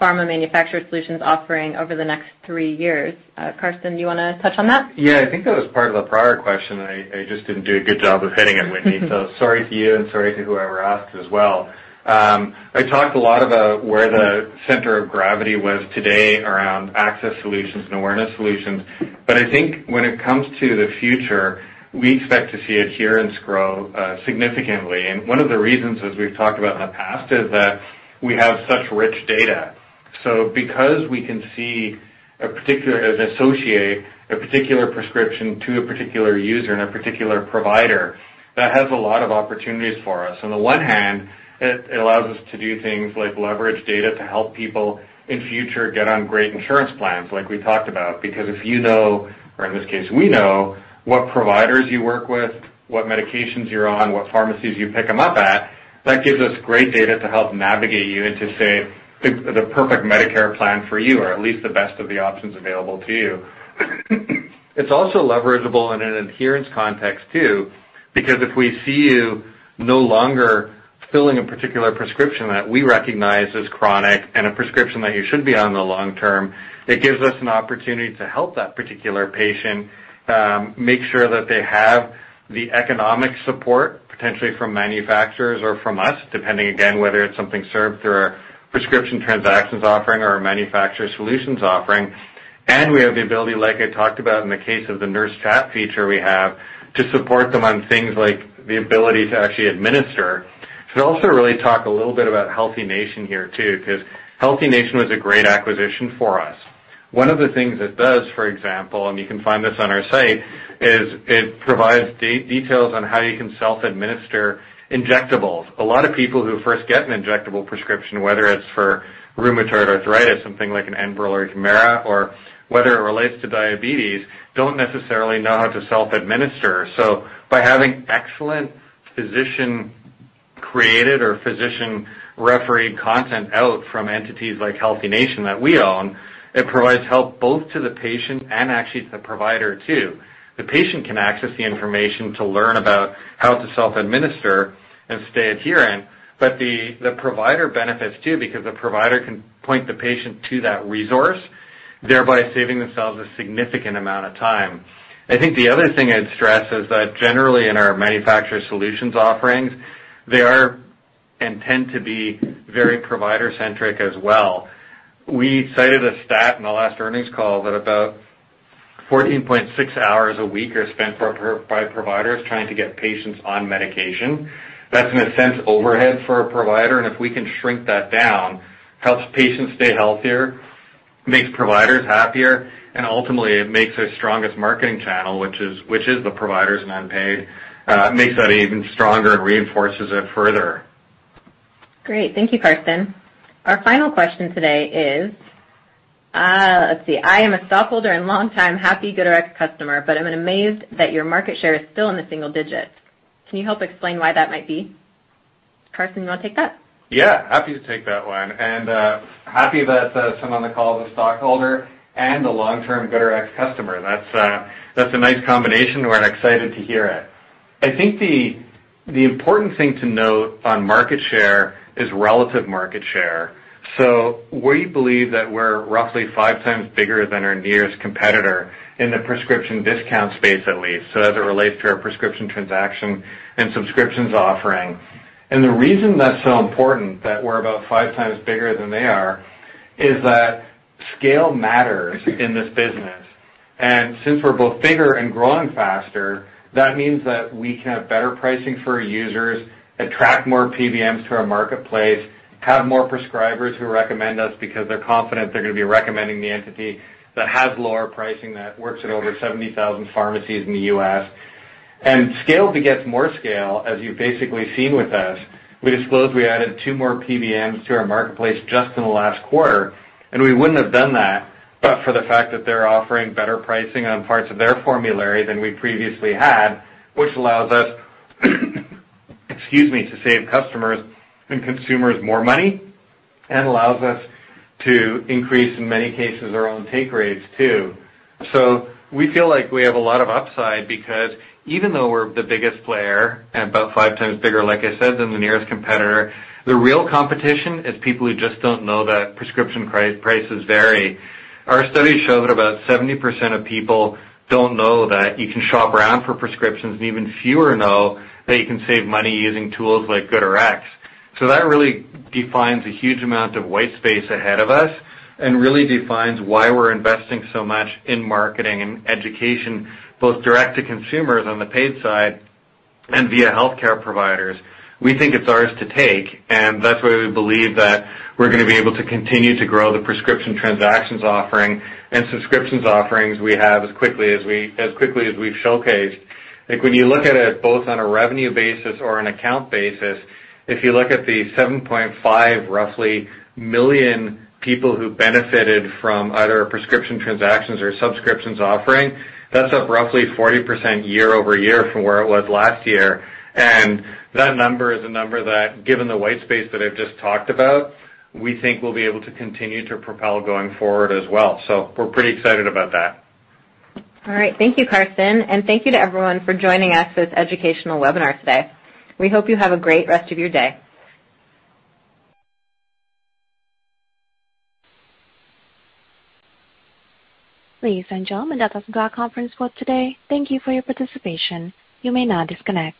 pharma manufacturer solutions offering over the next three years. Karsten, do you want to touch on that? Yeah. I think that was part of the prior question. I just didn't do a good job of hitting it, Whitney. Sorry to you, and sorry to whoever asked as well. I talked a lot about where the center of gravity was today around access solutions and awareness solutions, I think when it comes to the future, we expect to see adherence grow significantly. One of the reasons, as we've talked about in the past, is that we have such rich data. Because we can associate a particular prescription to a particular user and a particular provider, that has a lot of opportunities for us. On the one hand, it allows us to do things like leverage data to help people in future get on great insurance plans, like we talked about. Because if you know, or in this case, we know what providers you work with, what medications you're on, what pharmacies you pick them up at, that gives us great data to help navigate you into, say, the perfect Medicare plan for you, or at least the best of the options available to you. It's also leverageable in an adherence context too, because if we see you no longer filling a particular prescription that we recognize as chronic and a prescription that you should be on the long term, it gives us an opportunity to help that particular patient, make sure that they have the economic support, potentially from manufacturers or from us, depending, again, whether it's something served through our prescription transactions offering or our manufacturer solutions offering. We have the ability, like I talked about in the case of the nurse chat feature we have, to support them on things like the ability to actually administer. Should also really talk a little bit about HealthiNation here, too, because HealthiNation was a great acquisition for us. One of the things it does, for example, and you can find this on our site, is it provides details on how you can self-administer injectables. A lot of people who first get an injectable prescription, whether it's for rheumatoid arthritis, something like an Enbrel or a HUMIRA, or whether it relates to diabetes, don't necessarily know how to self-administer. By having excellent physician-created or physician-refereed content out from entities like HealthiNation that we own, it provides help both to the patient and actually to the provider too. The patient can access the information to learn about how to self-administer and stay adherent. The provider benefits too, because the provider can point the patient to that resource, thereby saving themselves a significant amount of time. I think the other thing I'd stress is that generally in our manufacturer solutions offerings, they are and tend to be very provider-centric as well. We cited a stat in the last earnings call that about 14.6 hours a week are spent by providers trying to get patients on medication. That's an expense overhead for a provider, and if we can shrink that down, helps patients stay healthier, makes providers happier, and ultimately it makes their strongest marketing channel, which is the providers and unpaid, makes that even stronger and reinforces it further. Great. Thank you, Karsten. Our final question today is, I am a stockholder and longtime happy GoodRx customer, but I'm amazed that your market share is still in the single digits. Can you help explain why that might be? Karsten, you want to take that? Yeah, happy to take that one. Happy that someone on the call is a stockholder and a long-term GoodRx customer. That's a nice combination, and we're excited to hear it. I think the important thing to note on market share is relative market share. We believe that we're roughly five times bigger than our nearest competitor in the prescription discount space, at least, so as it relates to our prescription transaction and subscriptions offering. The reason that's so important that we're about five times bigger than they are is that scale matters in this business. Since we're both bigger and growing faster, that means that we can have better pricing for our users, attract more PBMs to our marketplace, have more prescribers who recommend us because they're confident they're going to be recommending the entity that has lower pricing, that works at over 70,000 pharmacies in the U.S. Scale begets more scale, as you've basically seen with us. We disclosed we added two more PBMs to our marketplace just in the last quarter, and we wouldn't have done that but for the fact that they're offering better pricing on parts of their formulary than we previously had, which allows us excuse me, to save customers and consumers more money and allows us to increase, in many cases, our own take rates too. We feel like we have a lot of upside because even though we're the biggest player and about 5x bigger, like I said, than the nearest competitor, the real competition is people who just don't know that prescription prices vary. Our studies show that about 70% of people don't know that you can shop around for prescriptions, and even fewer know that you can save money using tools like GoodRx. That really defines a huge amount of white space ahead of us and really defines why we're investing so much in marketing and education, both direct to consumers on the paid side and via healthcare providers. We think it's ours to take, and that's why we believe that we're going to be able to continue to grow the prescription transactions offering and subscriptions offerings we have as quickly as we've showcased. Like when you look at it both on a revenue basis or an account basis, if you look at the 7.5 roughly million people who benefited from either a prescription transactions or subscriptions offering, that's up roughly 40% year-over-year from where it was last year. That number is a number that, given the white space that I've just talked about, we think we'll be able to continue to propel going forward as well. We're pretty excited about that. All right. Thank you, Karsten, and thank you to everyone for joining us for this educational webinar today. We hope you have a great rest of your day. Ladies and gentlemen, that does conclude our conference call today. Thank you for your participation. You may now disconnect.